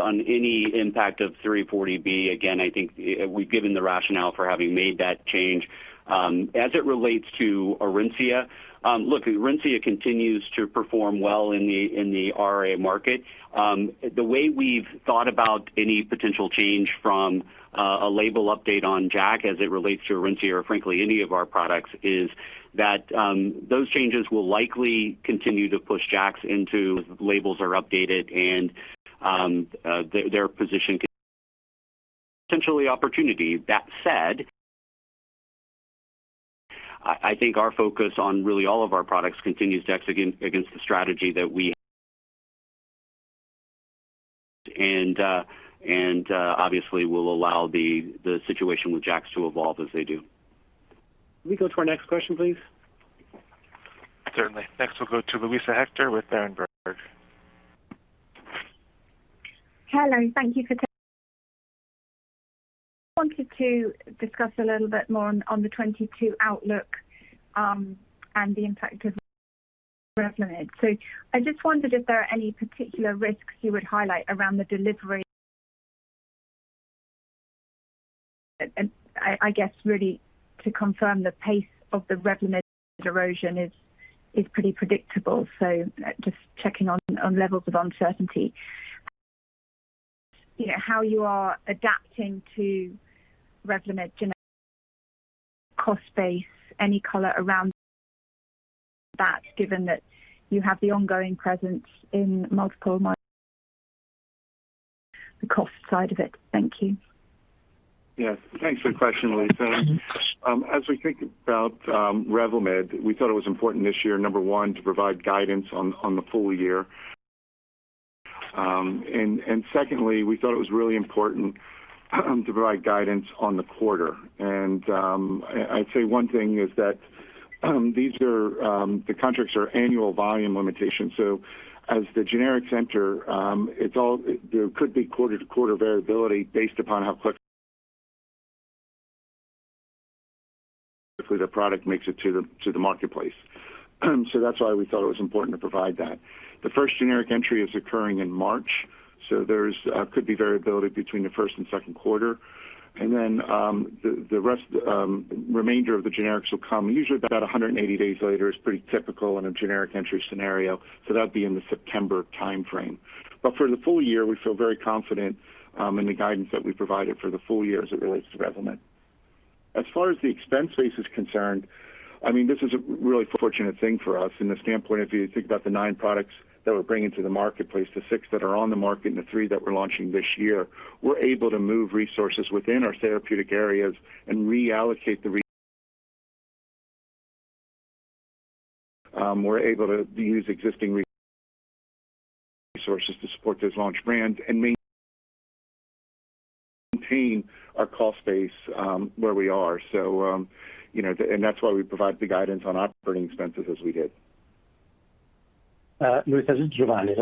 S7: on any impact of 340B. Again, I think we've given the rationale for having made that change. As it relates to ORENCIA, look, ORENCIA continues to perform well in the RA market. The way we've thought about any potential change from a label update on JAK as it relates to ORENCIA or frankly any of our products, is that those changes will likely continue to push JAKs into labels are updated and their position potentially opportunity. That said I think our focus on really all of our products continues to execute against the strategy that we obviously we'll allow the situation with JAKs to evolve as they do.
S2: Can we go to our next question, please?
S1: Certainly. Next, we'll go to Luisa Hector with Berenberg.
S15: Hello, thank you. I wanted to discuss a little bit more on the 2022 outlook and the impact of Revlimid. I just wondered if there are any particular risks you would highlight around the delivery. I guess, really to confirm the pace of the Revlimid erosion is pretty predictable. Just checking on levels of uncertainty. You know, how you are adapting to Revlimid generic cost base, any color around that, given that you have the ongoing presence in multiple myeloma. The cost side of it. Thank you.
S4: Yes, thanks for the question, Luisa. As we think about Revlimid, we thought it was important this year, number one, to provide guidance on the full year. Secondly, we thought it was really important to provide guidance on the quarter. I'd say one thing is that the contracts are annual volume limitations. As the generics enter, there could be quarter-to-quarter variability based upon how quick the product makes it to the marketplace. That's why we thought it was important to provide that. The first generic entry is occurring in March, so there could be variability between the first and second quarter. The rest of the generics will come usually about 180 days later, which is pretty typical in a generic entry scenario, so that'd be in the September timeframe. For the full year, we feel very confident in the guidance that we provided for the full year as it relates to Revlimid. As far as the expense base is concerned, I mean, this is a really fortunate thing for us from the standpoint if you think about the nine products that we're bringing to the marketplace, the six that are on the market, and the three that we're launching this year. We're able to move resources within our therapeutic areas and reallocate. We're able to use existing resources to support those launch brands and maintain our cost base where we are. You know, that's why we provide the guidance on operating expenses as we did.
S3: Luisa, this is Giovanni.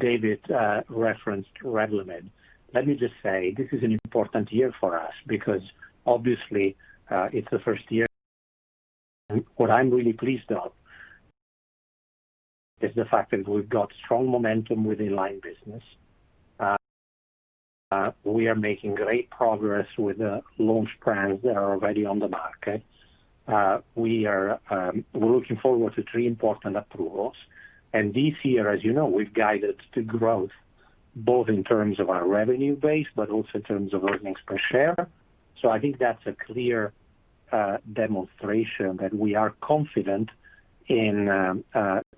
S3: David referenced Revlimid. Let me just say, this is an important year for us because obviously, it's the first year. What I'm really pleased about is the fact that we've got strong momentum with the inline business. We are making great progress with the launch plans that are already on the market. We're looking forward to three important approvals. This year, as you know, we've guided to growth both in terms of our revenue base but also in terms of earnings per share. I think that's a clear demonstration that we are confident in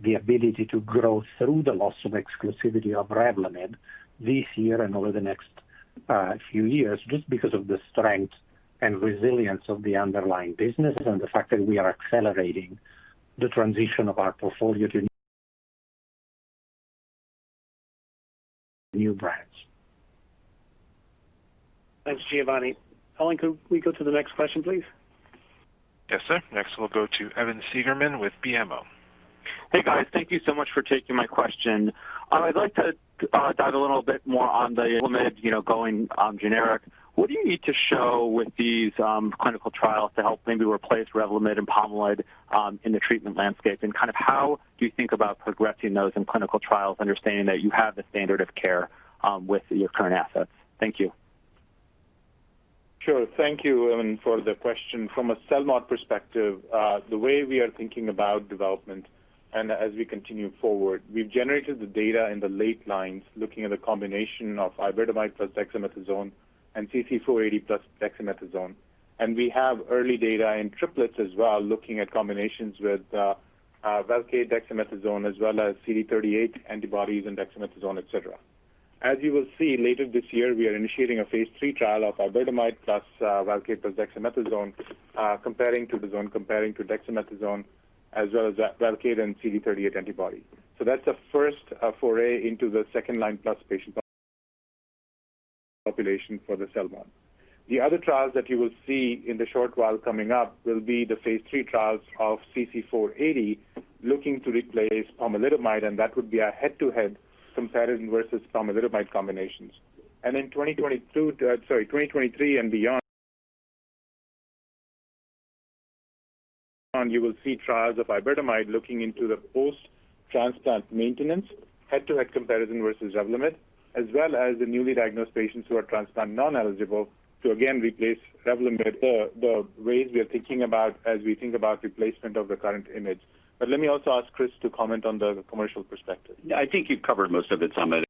S3: the ability to grow through the loss of exclusivity of Revlimid this year and over the next few years, just because of the strength and resilience of the underlying businesses and the fact that we are accelerating the transition of our portfolio to new brands.
S2: Thanks, Giovanni. Alan, could we go to the next question, please?
S1: Yes, sir. Next, we'll go to Evan Seigerman with BMO.
S16: Hey, guys. Thank you so much for taking my question. I'd like to dive a little bit more on the Revlimid, you know, going generic. What do you need to show with these clinical trials to help maybe replace Revlimid and Pomalyst in the treatment landscape? Kind of how do you think about progressing those in clinical trials, understanding that you have the standard of care with your current assets? Thank you.
S6: Sure. Thank you, Evan, for the question. From a CELMoD perspective, the way we are thinking about development and as we continue forward, we've generated the data in the late lines looking at a combination of iberdomide plus dexamethasone and [CC-92480] plus dexamethasone. We have early data in triplets as well, looking at combinations with Velcade dexamethasone as well as CD38 antibodies and dexamethasone, et cetera. As you will see, later this year, we are initiating a phase III trial of iberdomide plus Velcade plus dexamethasone, comparing to pomal, comparing to dexamethasone as well as Velcade and CD38 antibody. That's the first foray into the second line plus patient population for the CELMoD. The other trials that you will see in the short while coming up will be the phase III trials of CC-92480 looking to replace pomalidomide, and that would be a head-to-head comparison versus pomalidomide combinations. In 2022, 2023 and beyond, you will see trials of iberdomide looking into the post-transplant maintenance head-to-head comparison versus Revlimid, as well as the newly diagnosed patients who are transplant non-eligible to again replace Revlimid. The ways we are thinking about as we think about replacement of the current IMiD. Let me also ask Chris to comment on the commercial perspective.
S7: I think you've covered most of it, Samit.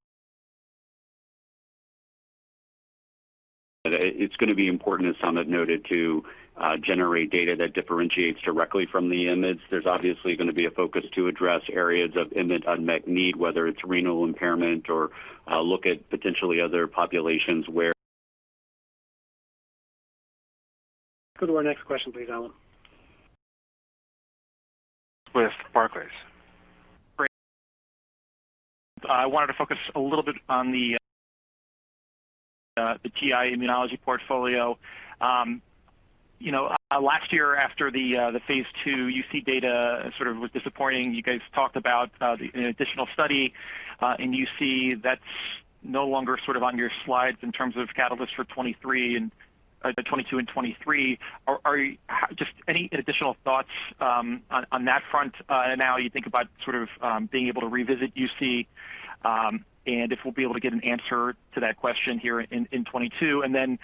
S7: It's gonna be important, as Samit noted, to generate data that differentiates directly from the IMiDs. There's obviously gonna be a focus to address areas of IMiD unmet need, whether it's renal impairment or look at potentially other populations where-
S2: Go to our next question, please, Alan.
S1: With Barclays.
S2: Brad.
S17: I wanted to focus a little bit on the TI immunology portfolio. You know, last year after the phase II UC data sort of was disappointing. You guys talked about an additional study, and UC that's no longer sort of on your slides in terms of catalyst for 2023 or the 2022 and 2023. Just any additional thoughts on that front, now you think about sort of being able to revisit UC, and if we'll be able to get an answer to that question here in 2022. Then,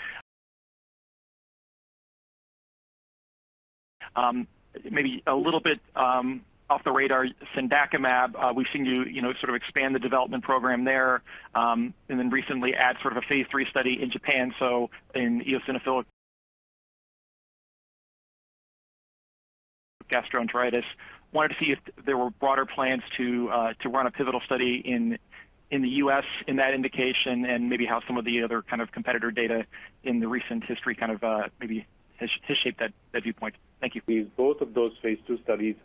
S17: maybe a little bit off the radar, cendakimab, we've seen you know sort of expand the development program there, and then recently add sort of a phase III study in Japan, so in eosinophilic gastroenteritis. Wanted to see if there were broader plans to run a pivotal study in the U.S. in that indication and maybe how some of the other kind of competitor data in the recent history kind of maybe has shaped that viewpoint. Thank you.
S6: Both of those phase II studies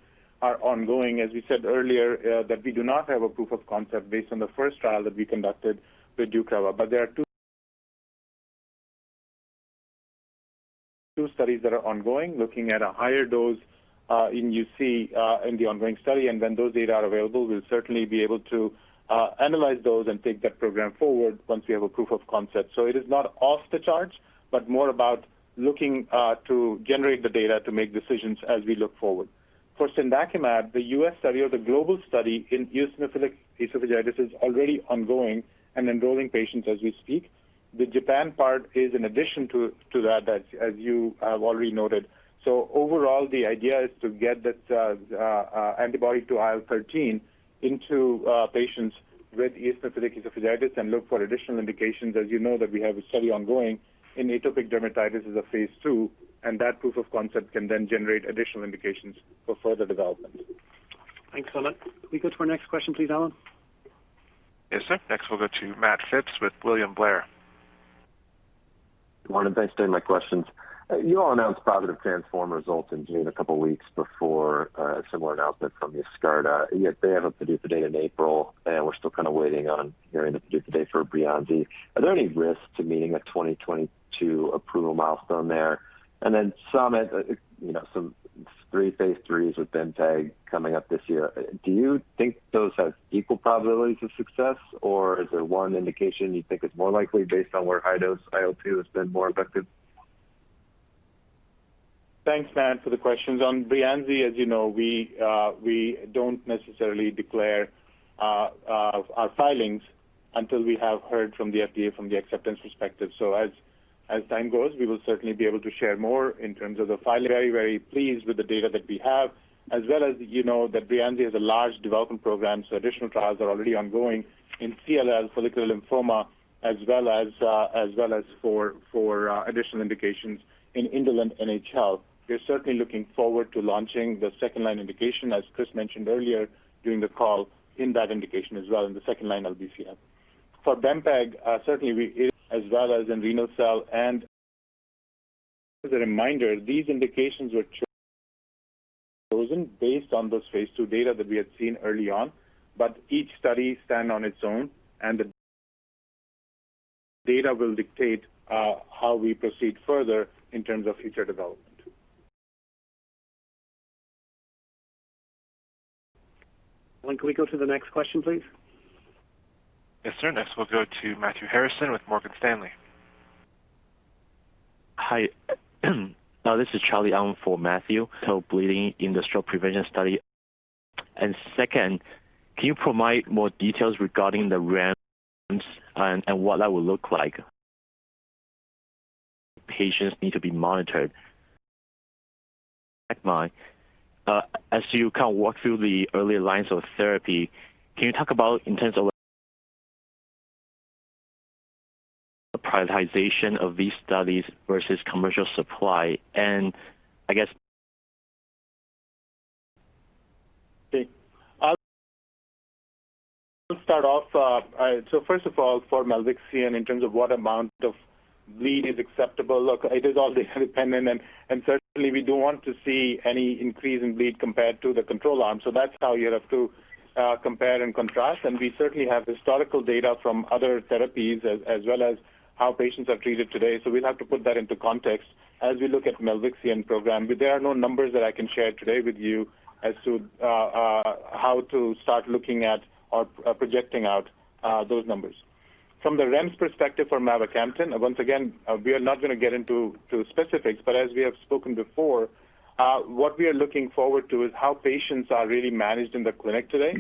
S6: are ongoing. As we said earlier, that we do not have a proof of concept based on the first trial that we conducted with deucravacitinib. There are two studies that are ongoing, looking at a higher dose in UC in the ongoing study. When those data are available, we'll certainly be able to analyze those and take that program forward once we have a proof of concept. It is not off the charts, but more about looking to generate the data to make decisions as we look forward. For cendakimab, the U.S. study or the global study in eosinophilic esophagitis is already ongoing and enrolling patients as we speak. The Japan part is in addition to that, as you have already noted. Overall, the idea is to get that antibody to IL-13 into patients with eosinophilic esophagitis and look for additional indications. As you know that we have a study ongoing in atopic dermatitis as a phase II, and that proof of concept can then generate additional indications for further development.
S2: Thanks, Samit. Can we go to our next question, please, Alan?
S1: Yes, sir. Next, we'll go to Matt Phipps with William Blair.
S18: Morning. Thanks for taking my questions. You all announced positive TRANSFORM results in June, a couple of weeks before similar announcement from Yescarta. Yet they have a PDUFA date in April, and we're still kind of waiting on hearing the PDUFA date for Breyanzi. Are there any risks to meeting a 2022 approval milestone there? And then Samit, you know, some three phase IIIs with [bempeg] coming up this year. Do you think those have equal probabilities of success, or is there one indication you think is more likely based on where high-dose IL-2 has been more effective?
S6: Thanks, Matt, for the questions. On Breyanzi, as you know, we don't necessarily declare our filings until we have heard from the FDA from the acceptance perspective. So as time goes, we will certainly be able to share more in terms of the filing. Very, very pleased with the data that we have, as well as you know that Breyanzi is a large development program, so additional trials are already ongoing in CLL follicular lymphoma, as well as for additional indications in indolent NHL. We're certainly looking forward to launching the second line indication, as Chris mentioned earlier during the call, in that indication as well in the second line of DLBCL. For bempegaldesleukin, certainly we as well as in renal cell and as a reminder, these indications were chosen based on those phase II data that we had seen early on, but each study stand on its own and the data will dictate how we proceed further in terms of future development.
S2: When can we go to the next question, please?
S1: Yes, sir. Next, we'll go to Matthew Harrison with Morgan Stanley.
S19: Hi. This is Charlie Allen for Matthew. Bleeding in the stroke prevention study. Second, can you provide more details regarding the REMS plan and what that will look like? Patients need to be monitored. As you kind of walk through the early lines of therapy, can you talk about in terms of the prioritization of these studies versus commercial supply? I guess
S6: I'll start off. First of all, for milvexian, in terms of what amount of bleed is acceptable, look, it is all data dependent. Certainly we don't want to see any increase in bleed compared to the control arm. That's how you have to compare and contrast. We certainly have historical data from other therapies as well as how patients are treated today. We'll have to put that into context as we look at milvexian program. There are no numbers that I can share today with you as to how to start looking at or projecting out those numbers. From the REMS perspective for mavacamten, once again, we are not going to get into specifics, but as we have spoken before, what we are looking forward to is how patients are really managed in the clinic today.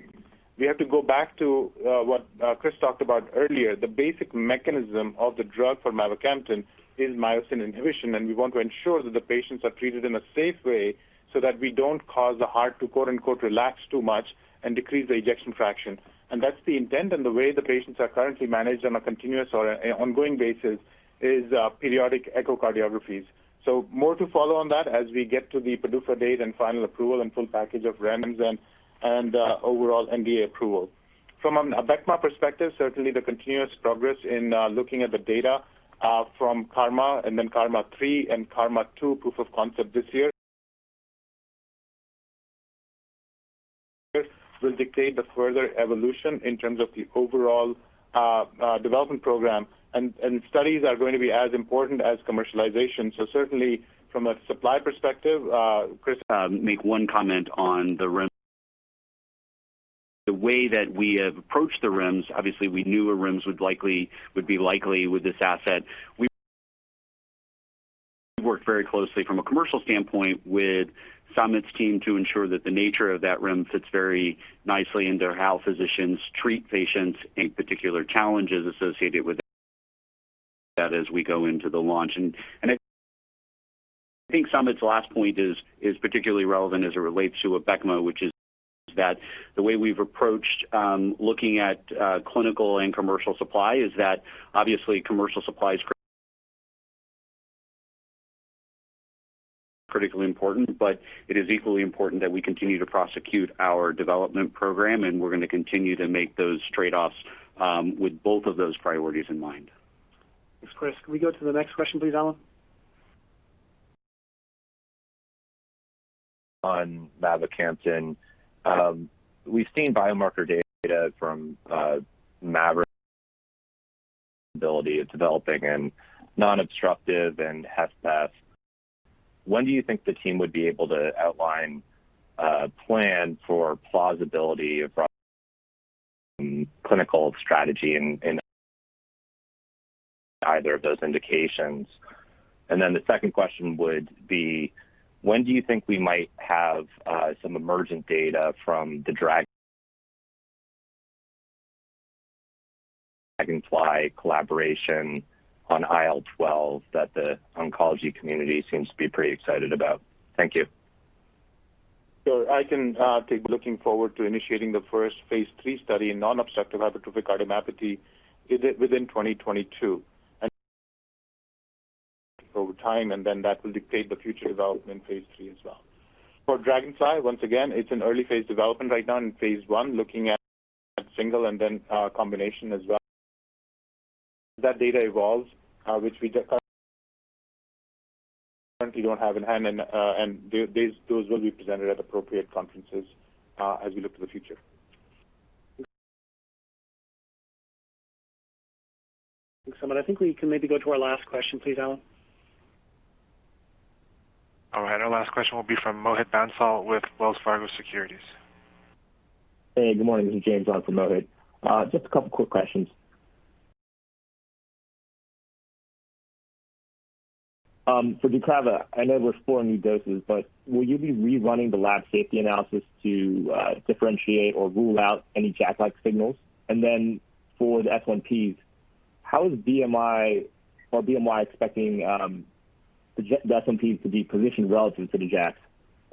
S6: We have to go back to what Chris talked about earlier. The basic mechanism of the drug for mavacamten is myosin inhibition, and we want to ensure that the patients are treated in a safe way so that we don't cause the heart to quote-unquote, "relax too much" and decrease the ejection fraction. That's the intent. The way the patients are currently managed on a continuous or ongoing basis is periodic echocardiographies. More to follow on that as we get to the PDUFA date and final approval and full package of REMS and overall NDA approval. From a Abecma perspective, certainly the continuous progress in looking at the data from KarMMa and then KarMMa-3 and KarMMa-2 proof of concept this year will dictate the further evolution in terms of the overall development program. Studies are going to be as important as commercialization. Certainly from a supply perspective, Chris-
S7: Make one comment on the REM. The way that we have approached the REMS, obviously we knew a REMS would be likely with this asset. We worked very closely from a commercial standpoint with Samit's team to ensure that the nature of that REM fits very nicely into how physicians treat patients and particular challenges associated with that as we go into the launch. I think Samit's last point is particularly relevant as it relates to Abecma, which is that the way we've approached looking at clinical and commercial supply is that obviously commercial supply is critically important, but it is equally important that we continue to prosecute our development program, and we're going to continue to make those trade-offs with both of those priorities in mind.
S2: Thanks, Chris. Can we go to the next question, please, Alan?
S20: On mavacamten. We've seen biomarker data from MAVERICK-HCM viability of developing in non-obstructive HCM and HFpEF. When do you think the team would be able to outline a plan for plausibility of clinical strategy in either of those indications? The second question would be, when do you think we might have some emergent data from the Dragonfly collaboration on IL-12 that the oncology community seems to be pretty excited about? Thank you.
S6: I can take. Looking forward to initiating the first phase III study in non-obstructive hypertrophic cardiomyopathy within 2022. Over time, that will dictate the future development in phase III as well. For Dragonfly, once again, it's an early phase development right now in phase I, looking at single and then combination as well. That data evolves, which we currently don't have in hand. Those will be presented at appropriate conferences as we look to the future.
S2: Thanks so much. I think we can maybe go to our last question, please, Alan.
S1: All right, our last question will be from Mohit Bansal with Wells Fargo Securities.
S21: Hey, good morning. This is James on for Mohit. Just a couple of quick questions. For deucravacitinib, I know we're exploring new doses, but will you be rerunning the lab safety analysis to differentiate or rule out any JAK-like signals? And then for the S1Ps, how is BMI expecting the S1Ps to be positioned relative to the JAKs?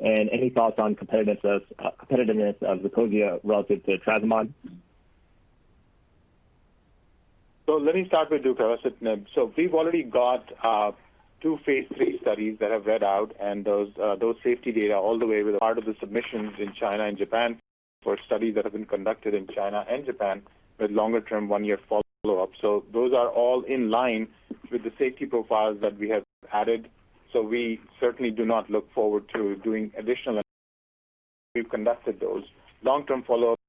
S21: And any thoughts on competitiveness of Zeposia relative to ponesimod?
S6: Let me start with Duclazna. We've already got two phase III studies that have read out and those safety data all the way were part of the submissions in China and Japan for studies that have been conducted in China and Japan with longer term, one-year follow-up. Those are all in line with the safety profiles that we have added. We certainly do not look forward to doing additional. We've conducted those. Long-term follow-ups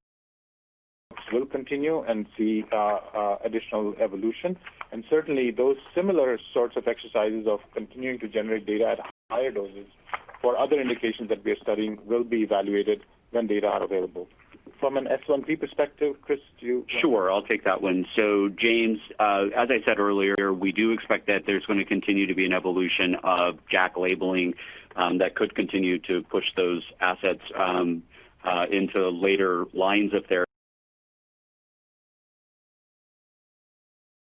S6: will continue and see additional evolution. Certainly those similar sorts of exercises of continuing to generate data at higher doses for other indications that we are studying will be evaluated when data are available. From an S1P perspective, Chris, do you-
S7: Sure, I'll take that one. James, as I said earlier, we do expect that there's going to continue to be an evolution of JAK labeling, that could continue to push those assets into later lines of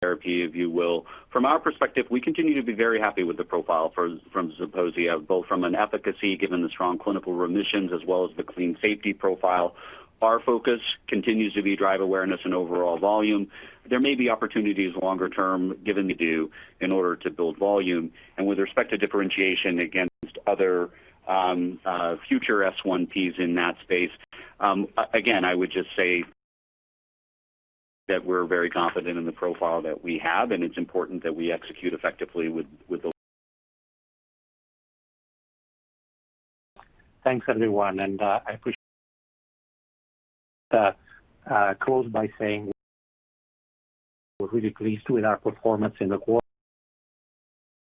S7: therapy, if you will. From our perspective, we continue to be very happy with the profile for Zeposia, both from an efficacy, given the strong clinical remissions as well as the clean safety profile. Our focus continues to be to drive awareness and overall volume. There may be opportunities longer term given to do in order to build volume. With respect to differentiation against other future S1Ps in that space, again, I would just say that we're very confident in the profile that we have, and it's important that we execute effectively with those.
S3: Thanks, everyone. I appreciate that. To close by saying we're really pleased with our performance in the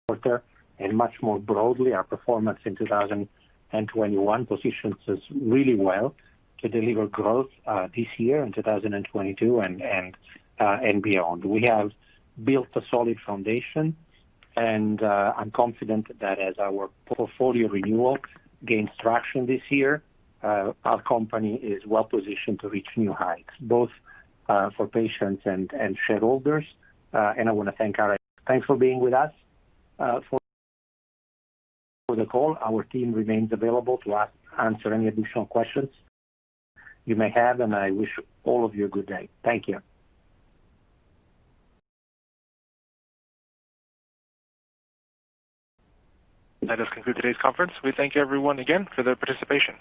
S3: quarter and much more broadly, our performance in 2021 positions us really well to deliver growth this year in 2022 and beyond. We have built a solid foundation. I'm confident that as our portfolio renewal gains traction this year, our company is well-positioned to reach new heights, both for patients and shareholders. Thanks for being with us for the call. Our team remains available to answer any additional questions you may have, and I wish all of you a good day. Thank you.
S1: That does conclude today's conference. We thank everyone again for their participation.